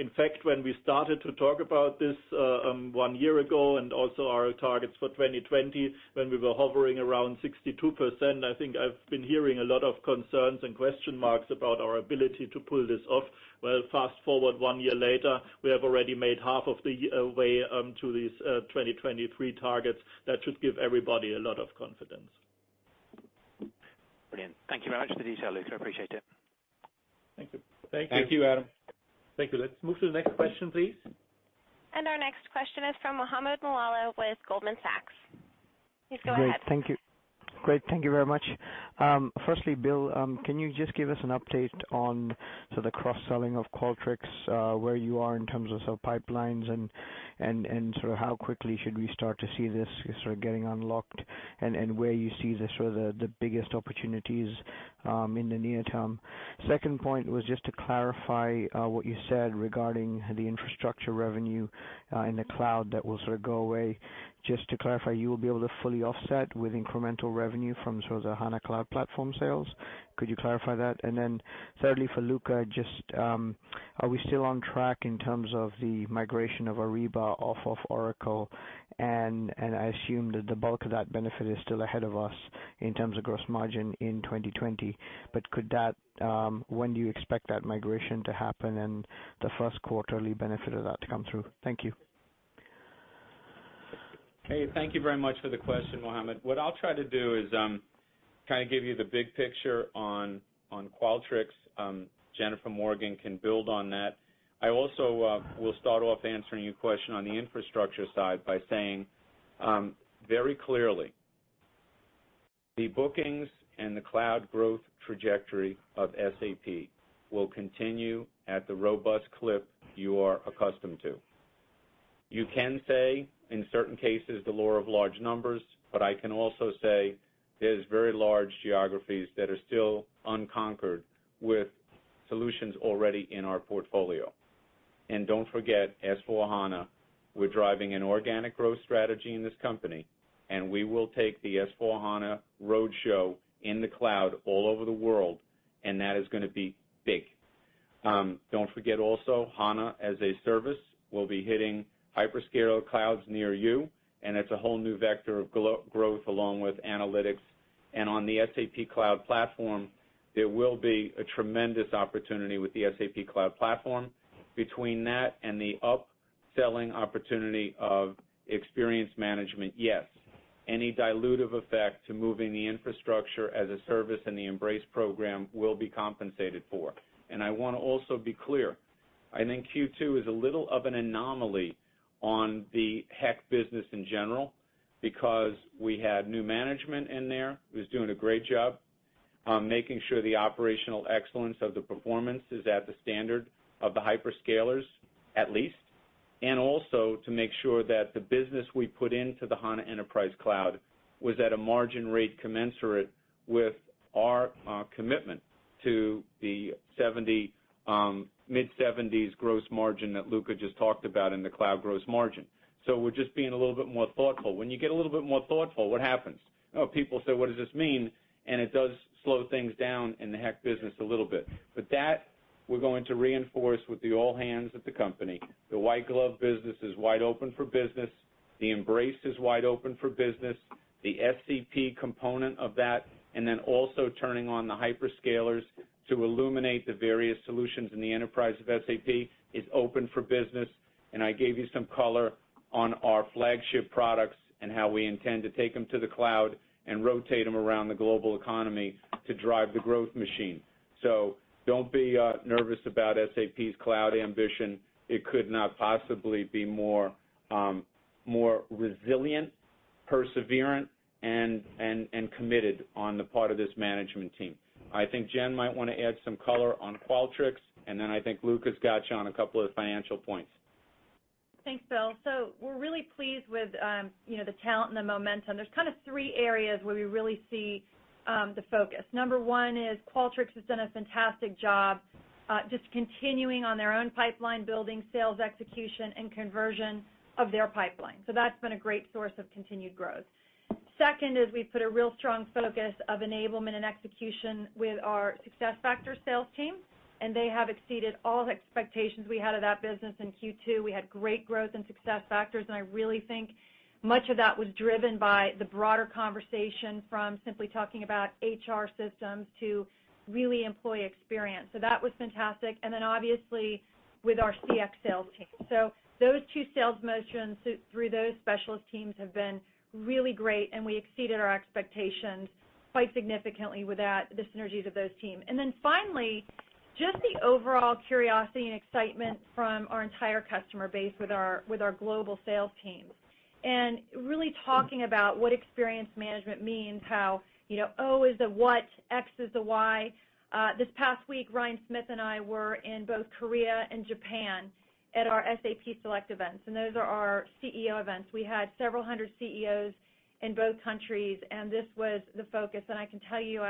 In fact, when we started to talk about this one year ago, and also our targets for 2020, when we were hovering around 62%, I think I've been hearing a lot of concerns and question marks about our ability to pull this off. Well, fast-forward one year later, we have already made half of the way to these 2023 targets. That should give everybody a lot of confidence. Brilliant. Thank you very much for the detail, Luka. I appreciate it. Thank you. Thank you, Adam. Thank you. Let's move to the next question, please. Our next question is from Mohammed Moawalla with Goldman Sachs. Please go ahead. Great. Thank you. Great. Thank you very much. Firstly, Bill, can you just give us an update on the cross-selling of Qualtrics, where you are in terms of pipelines and how quickly should we start to see this sort of getting unlocked, and where you see the biggest opportunities in the near term? Second point was just to clarify what you said regarding the infrastructure revenue in the cloud that will sort of go away. Just to clarify, you'll be able to fully offset with incremental revenue from the HANA Cloud Platform sales? Could you clarify that? Then thirdly, for Luka, just are we still on track in terms of the migration of Ariba off of Oracle? I assume that the bulk of that benefit is still ahead of us in terms of gross margin in 2020. When do you expect that migration to happen, and the first quarterly benefit of that to come through? Thank you. Hey, thank you very much for the question, Mohammed. I'll try to do is kind of give you the big picture on Qualtrics. Jennifer Morgan can build on that. I also will start off answering your question on the infrastructure side by saying, very clearly, the bookings and the cloud growth trajectory of SAP will continue at the robust clip you are accustomed to. You can say, in certain cases, the lure of large numbers, but I can also say there's very large geographies that are still unconquered with solutions already in our portfolio. Don't forget, S/4HANA, we're driving an organic growth strategy in this company, and we will take the S/4HANA roadshow in the cloud all over the world, and that is going to be big. Don't forget also, HANA as a service will be hitting hyperscaler clouds near you, and it's a whole new vector of growth along with analytics. On the SAP Cloud Platform, there will be a tremendous opportunity with the SAP Cloud Platform. Between that and the upselling opportunity of experience management, yes, any dilutive effect to moving the infrastructure as a service in the Embrace program will be compensated for. I want to also be clear, I think Q2 is a little of an anomaly on the HEC business in general because we had new management in there, who's doing a great job on making sure the operational excellence of the performance is at the standard of the hyperscalers, at least. Also to make sure that the business we put into the SAP HANA Enterprise Cloud was at a margin rate commensurate with our commitment to the mid 70s gross margin that Luka just talked about in the cloud gross margin. We're just being a little bit more thoughtful. When you get a little bit more thoughtful, what happens? People say, "What does this mean?" It does slow things down in the HEC business a little bit. That we're going to reinforce with the all hands at the company. The white glove business is wide open for business. The Embrace is wide open for business. The SCP component of that, and then also turning on the hyperscalers to illuminate the various solutions in the enterprise of SAP, is open for business. I gave you some color on our flagship products and how we intend to take them to the cloud and rotate them around the global economy to drive the growth machine. Don't be nervous about SAP's cloud ambition. It could not possibly be more resilient, perseverant, and committed on the part of this management team. I think Jen might want to add some color on Qualtrics, and then I think Luka's got you on a couple of financial points. Thanks, Bill. We're really pleased with the talent and the momentum. There's three areas where we really see the focus. Number one is Qualtrics has done a fantastic job just continuing on their own pipeline, building sales execution, and conversion of their pipeline. That's been a great source of continued growth. Second is we've put a real strong focus on enablement and execution with our SuccessFactors sales team, and they have exceeded all the expectations we had of that business in Q2. We had great growth in SuccessFactors, and I really think much of that was driven by the broader conversation from simply talking about HR systems to really employee experience. That was fantastic. Obviously with our CX sales team. Those two sales motions through those specialist teams have been really great, and we exceeded our expectations quite significantly with the synergies of those teams. Finally, just the overall curiosity and excitement from our entire customer base with our global sales team. Really talking about what experience management means, how O is the what, X is the why. This past week, Ryan Smith and I were in both Korea and Japan at our SAP Select events, and those are our CEO events. We had several hundred CEOs in both countries, and this was the focus. I can tell you,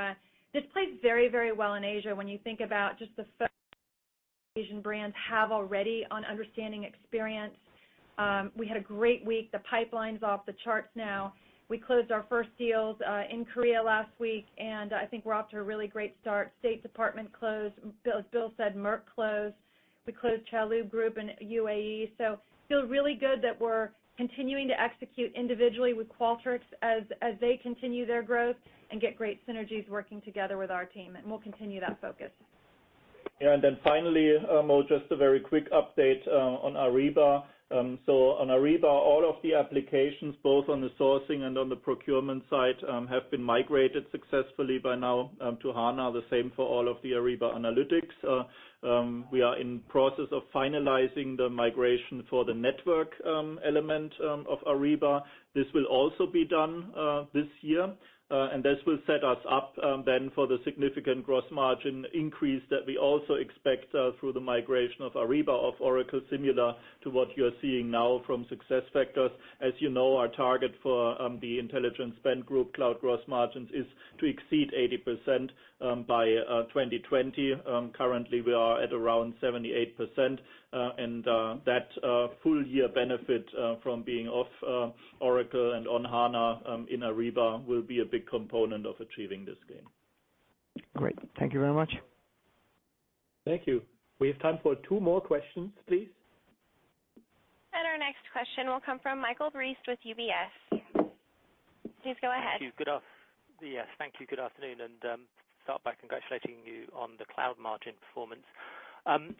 this plays very well in Asia when you think about just the focus Asian brands have already on understanding experience. We had a great week. The pipeline's off the charts now. We closed our first deals in Korea last week, and I think we're off to a really great start. State Department closed. As Bill said, Merck closed. We closed Chalhoub Group in UAE. Feel really good that we're continuing to execute individually with Qualtrics as they continue their growth and get great synergies working together with our team, and we'll continue that focus. Finally, Mo, just a very quick update on Ariba. On Ariba, all of the applications, both on the sourcing and on the procurement side, have been migrated successfully by now to HANA, the same for all of the Ariba analytics. We are in process of finalizing the migration for the network element of Ariba. This will also be done this year. This will set us up then for the significant gross margin increase that we also expect through the migration of Ariba, off Oracle, similar to what you are seeing now from SuccessFactors. As you know, our target for the Intelligent Spend Group cloud gross margins is to exceed 80% by 2020. Currently, we are at around 78%, and that full-year benefit from being off Oracle and on HANA in Ariba will be a big component of achieving this gain. Great. Thank you very much. Thank you. We have time for two more questions, please. Our next question will come from Michael Briest with UBS. Please go ahead. Thank you. Good afternoon. I start by congratulating you on the cloud margin performance.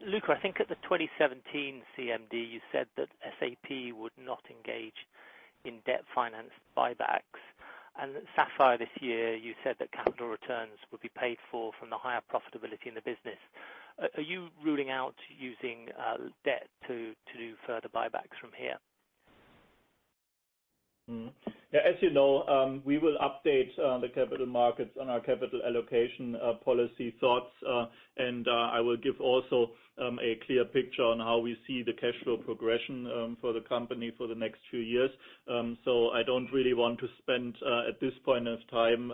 Luka, I think at the 2017 CMD, you said that SAP would not engage in debt finance buybacks. At SAP Sapphire this year, you said that capital returns would be paid for from the higher profitability in the business. Are you ruling out using debt to do further buybacks from here? As you know, we will update the capital markets on our capital allocation policy thoughts. I will give also a clear picture on how we see the cash flow progression for the company for the next few years. I don't really want to spend, at this point of time,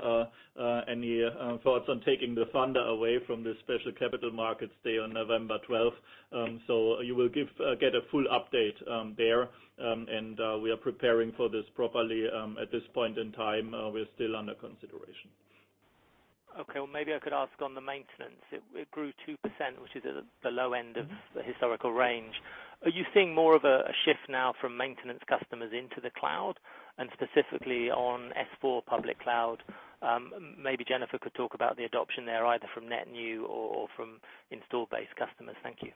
any thoughts on taking the thunder away from the special Capital Markets Day on November 12th. You will get a full update there. We are preparing for this properly. At this point in time, we're still under consideration. Well, maybe I could ask on the maintenance. It grew 2%, which is at the low end of the historical range. Are you seeing more of a shift now from maintenance customers into the cloud, and specifically on S/4 public cloud? Maybe Jennifer could talk about the adoption there, either from net new or from install base customers. Thank you.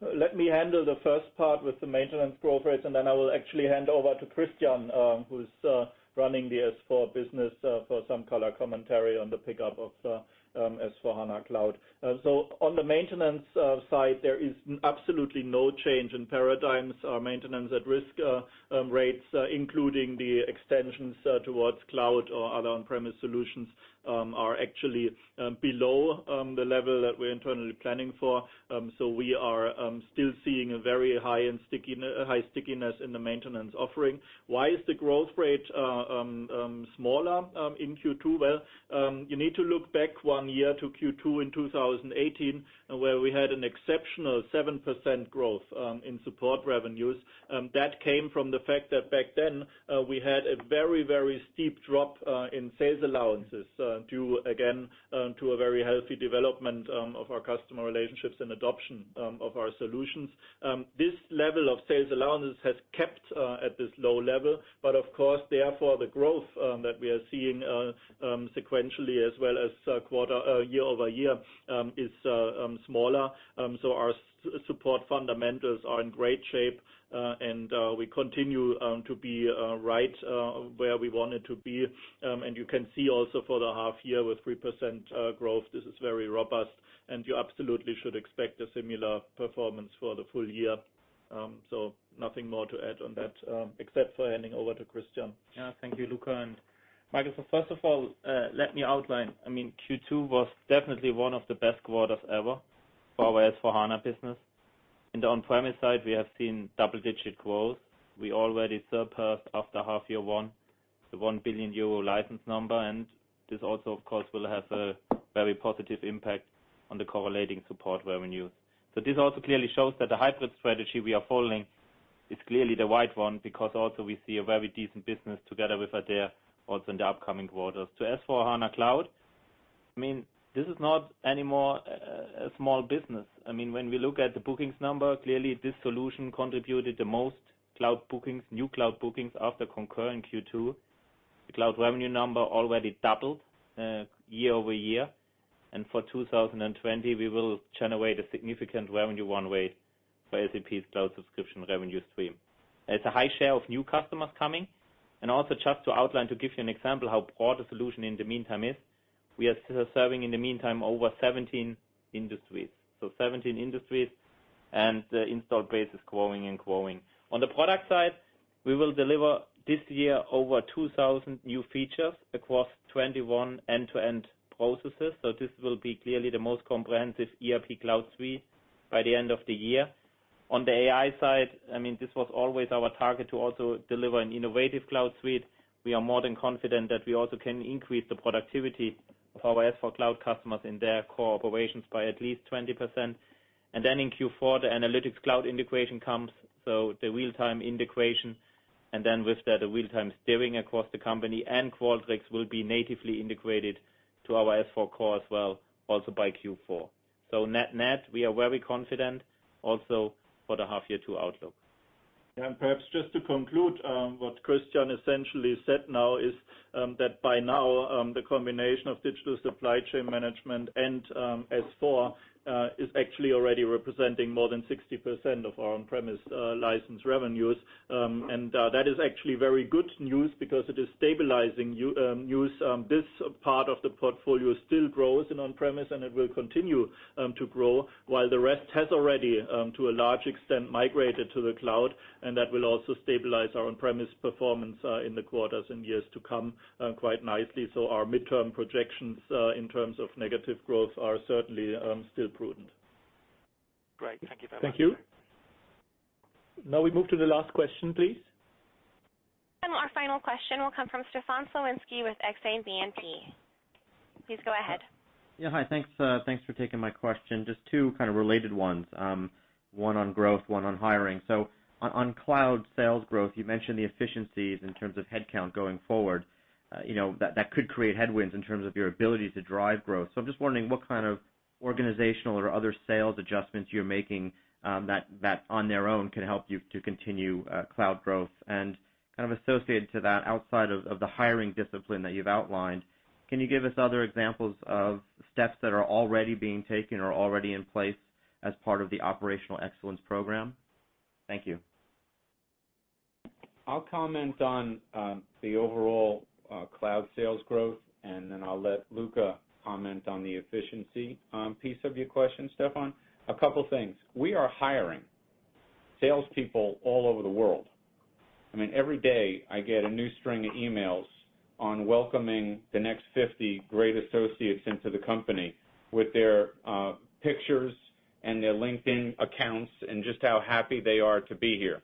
Let me handle the first part with the maintenance growth rate. I will actually hand over to Christian, who's running the S/4 business, for some color commentary on the pickup of SAP S/4HANA Cloud. On the maintenance side, there is absolutely no change in paradigms. Our maintenance at-risk rates, including the extensions towards cloud or other on-premise solutions, are actually below the level that we're internally planning for. We are still seeing a very high stickiness in the maintenance offering. Why is the growth rate smaller in Q2? Well, you need to look back one year to Q2 in 2018, where we had an exceptional 7% growth in support revenues. That came from the fact that back then, we had a very steep drop in sales allowances due, again, to a very healthy development of our customer relationships and adoption of our solutions. This level of sales allowances has kept at this low level, but of course, therefore, the growth that we are seeing sequentially as well as year-over-year is smaller. Our support fundamentals are in great shape, and we continue to be right where we wanted to be. You can see also for the half year with 3% growth, this is very robust, and you absolutely should expect a similar performance for the full year. Nothing more to add on that except for handing over to Christian. Thank you, Luka, and Michael. First of all, let me outline. Q2 was definitely one of the best quarters ever for our S/4HANA business. In the on-premise side, we have seen double-digit growth. We already surpassed after half year one, the 1 billion euro license number, and this also, of course, will have a very positive impact on the correlating support revenues. This also clearly shows that the hybrid strategy we are following is clearly the right one because also we see a very decent business together with Adaire, also in the upcoming quarters. S/4HANA Cloud, this is not anymore a small business. When we look at the bookings number, clearly this solution contributed the most cloud bookings, new cloud bookings after Concur in Q2. The cloud revenue number already doubled year-over-year. For 2020, we will generate a significant revenue run rate for SAP's cloud subscription revenue stream. It's a high share of new customers coming. Also just to outline, to give you an example how broad the solution in the meantime is, we are still serving in the meantime over 17 industries. 17 industries, and the install base is growing and growing. On the product side, we will deliver this year over 2,000 new features across 21 end-to-end processes. This will be clearly the most comprehensive ERP cloud suite by the end of the year. On the AI side, this was always our target to also deliver an innovative cloud suite. We are more than confident that we also can increase the productivity of our S4 Cloud customers in their core operations by at least 20%. In Q4, the SAP Analytics Cloud integration comes, the real-time integration, with that, the real-time steering across the company, and Qualtrics will be natively integrated to our S4 core as well, also by Q4. Net-net, we are very confident also for the half year two outlook. Perhaps just to conclude, what Christian essentially said now is, that by now, the combination of digital supply chain management and S/4HANA is actually already representing more than 60% of our on-premise license revenues. That is actually very good news because it is stabilizing news. This part of the portfolio still grows in on-premise, and it will continue to grow while the rest has already, to a large extent, migrated to the cloud. That will also stabilize our on-premise performance in the quarters and years to come quite nicely. Our midterm projections, in terms of negative growth are certainly still prudent. Great. Thank you very much. Thank you. We move to the last question, please. Our final question will come from Stefan Slowinski with Exane BNP Paribas. Please go ahead. Yeah. Hi. Thanks for taking my question. Just two kind of related ones. One on growth, one on hiring. On Cloud sales growth, you mentioned the efficiencies in terms of headcount going forward. That could create headwinds in terms of your ability to drive growth. I'm just wondering what kind of organizational or other sales adjustments you're making, that on their own can help you to continue cloud growth. Kind of associated to that, outside of the hiring discipline that you've outlined, can you give us other examples of steps that are already being taken or already in place as part of the operational excellence program? Thank you. I'll comment on the overall cloud sales growth, then I'll let Luka comment on the efficiency piece of your question, Stefan. A couple things. We are hiring salespeople all over the world. Every day I get a new string of emails on welcoming the next 50 great associates into the company with their pictures and their LinkedIn accounts, and just how happy they are to be here.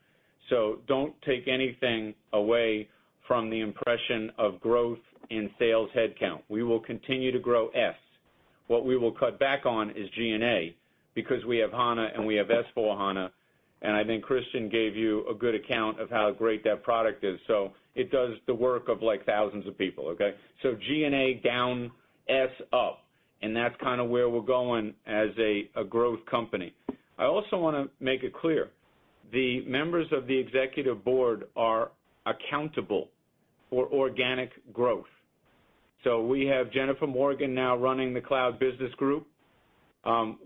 Don't take anything away from the impression of growth in sales headcount. We will continue to grow S&M. What we will cut back on is G&A because we have HANA and we have S/4HANA, and I think Christian gave you a good account of how great that product is. It does the work of thousands of people, okay? G&A down, S&M up, that's kind of where we're going as a growth company. I also want to make it clear, the members of the executive board are accountable for organic growth. We have Jennifer Morgan now running the Cloud Business Group.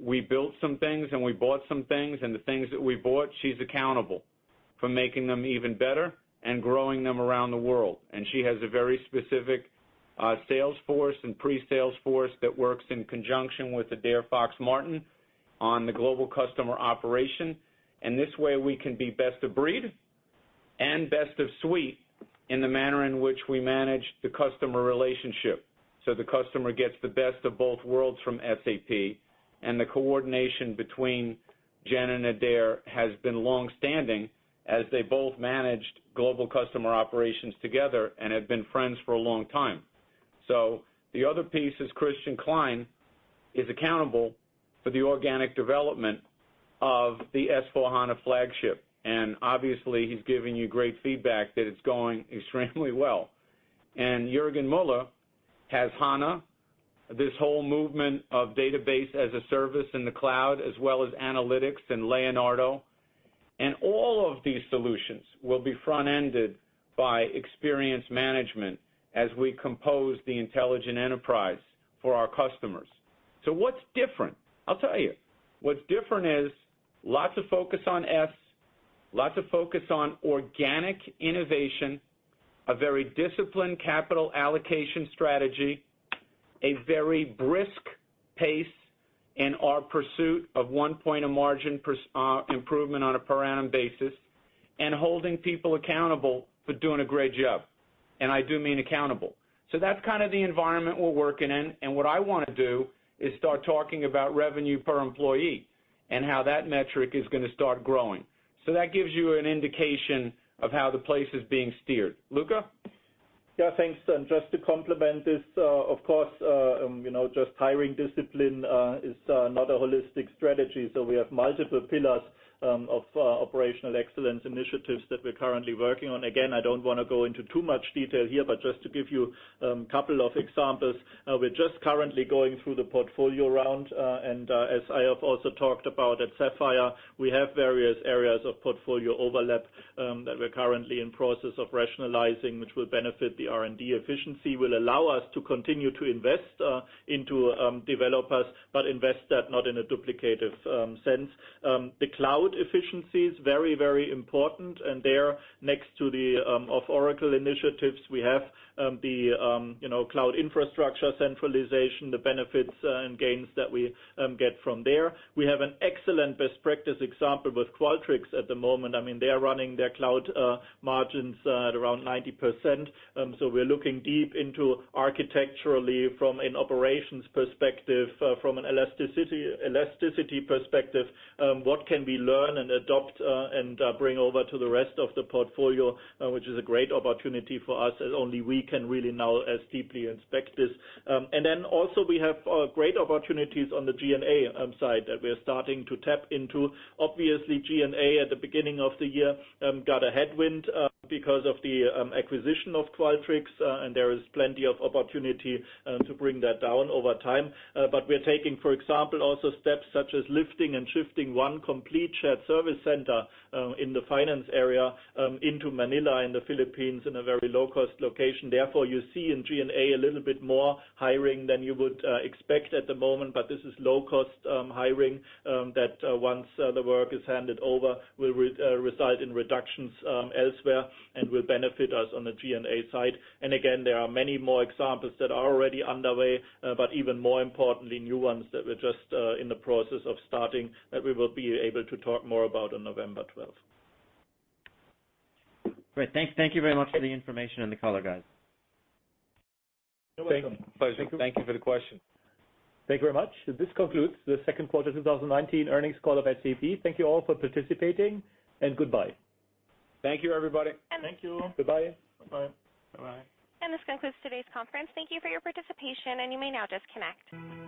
We built some things and we bought some things, the things that we bought, she's accountable for making them even better and growing them around the world. She has a very specific sales force and pre-sales force that works in conjunction with Adaire Fox-Martin on the Global Customer Operations. This way we can be best of breed and best of suite in the manner in which we manage the customer relationship. The customer gets the best of both worlds from SAP. The coordination between Jen and Adaire has been longstanding as they both managed Global Customer Operations together and have been friends for a long time. The other piece is Christian Klein is accountable for the organic development of the S/4HANA flagship. Obviously, he's giving you great feedback that it's going extremely well. Juergen Mueller has HANA, this whole movement of database as a service in the cloud, as well as analytics and SAP Leonardo. All of these solutions will be front-ended by experience management as we compose the intelligent enterprise for our customers. What's different? I'll tell you. What's different is lots of focus on S&M, lots of focus on organic innovation, a very disciplined capital allocation strategy. A very brisk pace in our pursuit of one point of margin improvement on a per annum basis, holding people accountable for doing a great job. I do mean accountable. That's kind of the environment we're working in. What I want to do is start talking about revenue per employee and how that metric is going to start growing. That gives you an indication of how the place is being steered. Luka? Yeah, thanks. Just to complement this, of course, just hiring discipline is not a holistic strategy. We have multiple pillars of operational excellence initiatives that we're currently working on. Again, I don't want to go into too much detail here, but just to give you a couple of examples. We're just currently going through the portfolio round. As I have also talked about at Sapphire, we have various areas of portfolio overlap that we're currently in process of rationalizing, which will benefit the R&D efficiency, will allow us to continue to invest into developers, but invest that not in a duplicative sense. The cloud efficiency is very, very important, and there, next to the off-Oracle initiatives, we have the cloud infrastructure centralization, the benefits and gains that we get from there. We have an excellent best practice example with Qualtrics at the moment. They are running their cloud margins at around 90%. We're looking deep into architecturally from an operations perspective, from an elasticity perspective, what can we learn and adopt and bring over to the rest of the portfolio, which is a great opportunity for us, as only we can really now as deeply inspect this. Also, we have great opportunities on the G&A side that we are starting to tap into. Obviously, G&A at the beginning of the year got a headwind because of the acquisition of Qualtrics, there is plenty of opportunity to bring that down over time. We're taking, for example, also steps such as lifting and shifting one complete shared service center in the finance area into Manila, in the Philippines, in a very low-cost location. Therefore, you see in G&A a little bit more hiring than you would expect at the moment. This is low-cost hiring that once the work is handed over, will reside in reductions elsewhere and will benefit us on the G&A side. Again, there are many more examples that are already underway. Even more importantly, new ones that we're just in the process of starting that we will be able to talk more about on November 12th. Great. Thank you very much for the information on the call, guys. You're welcome. Pleasure. Thank you for the question. Thank you very much. This concludes the Q2 2019 earnings call of SAP. Thank you all for participating, and goodbye. Thank you, everybody. Thank you. Goodbye. Bye. Bye-bye. This concludes today's conference. Thank you for your participation, and you may now disconnect.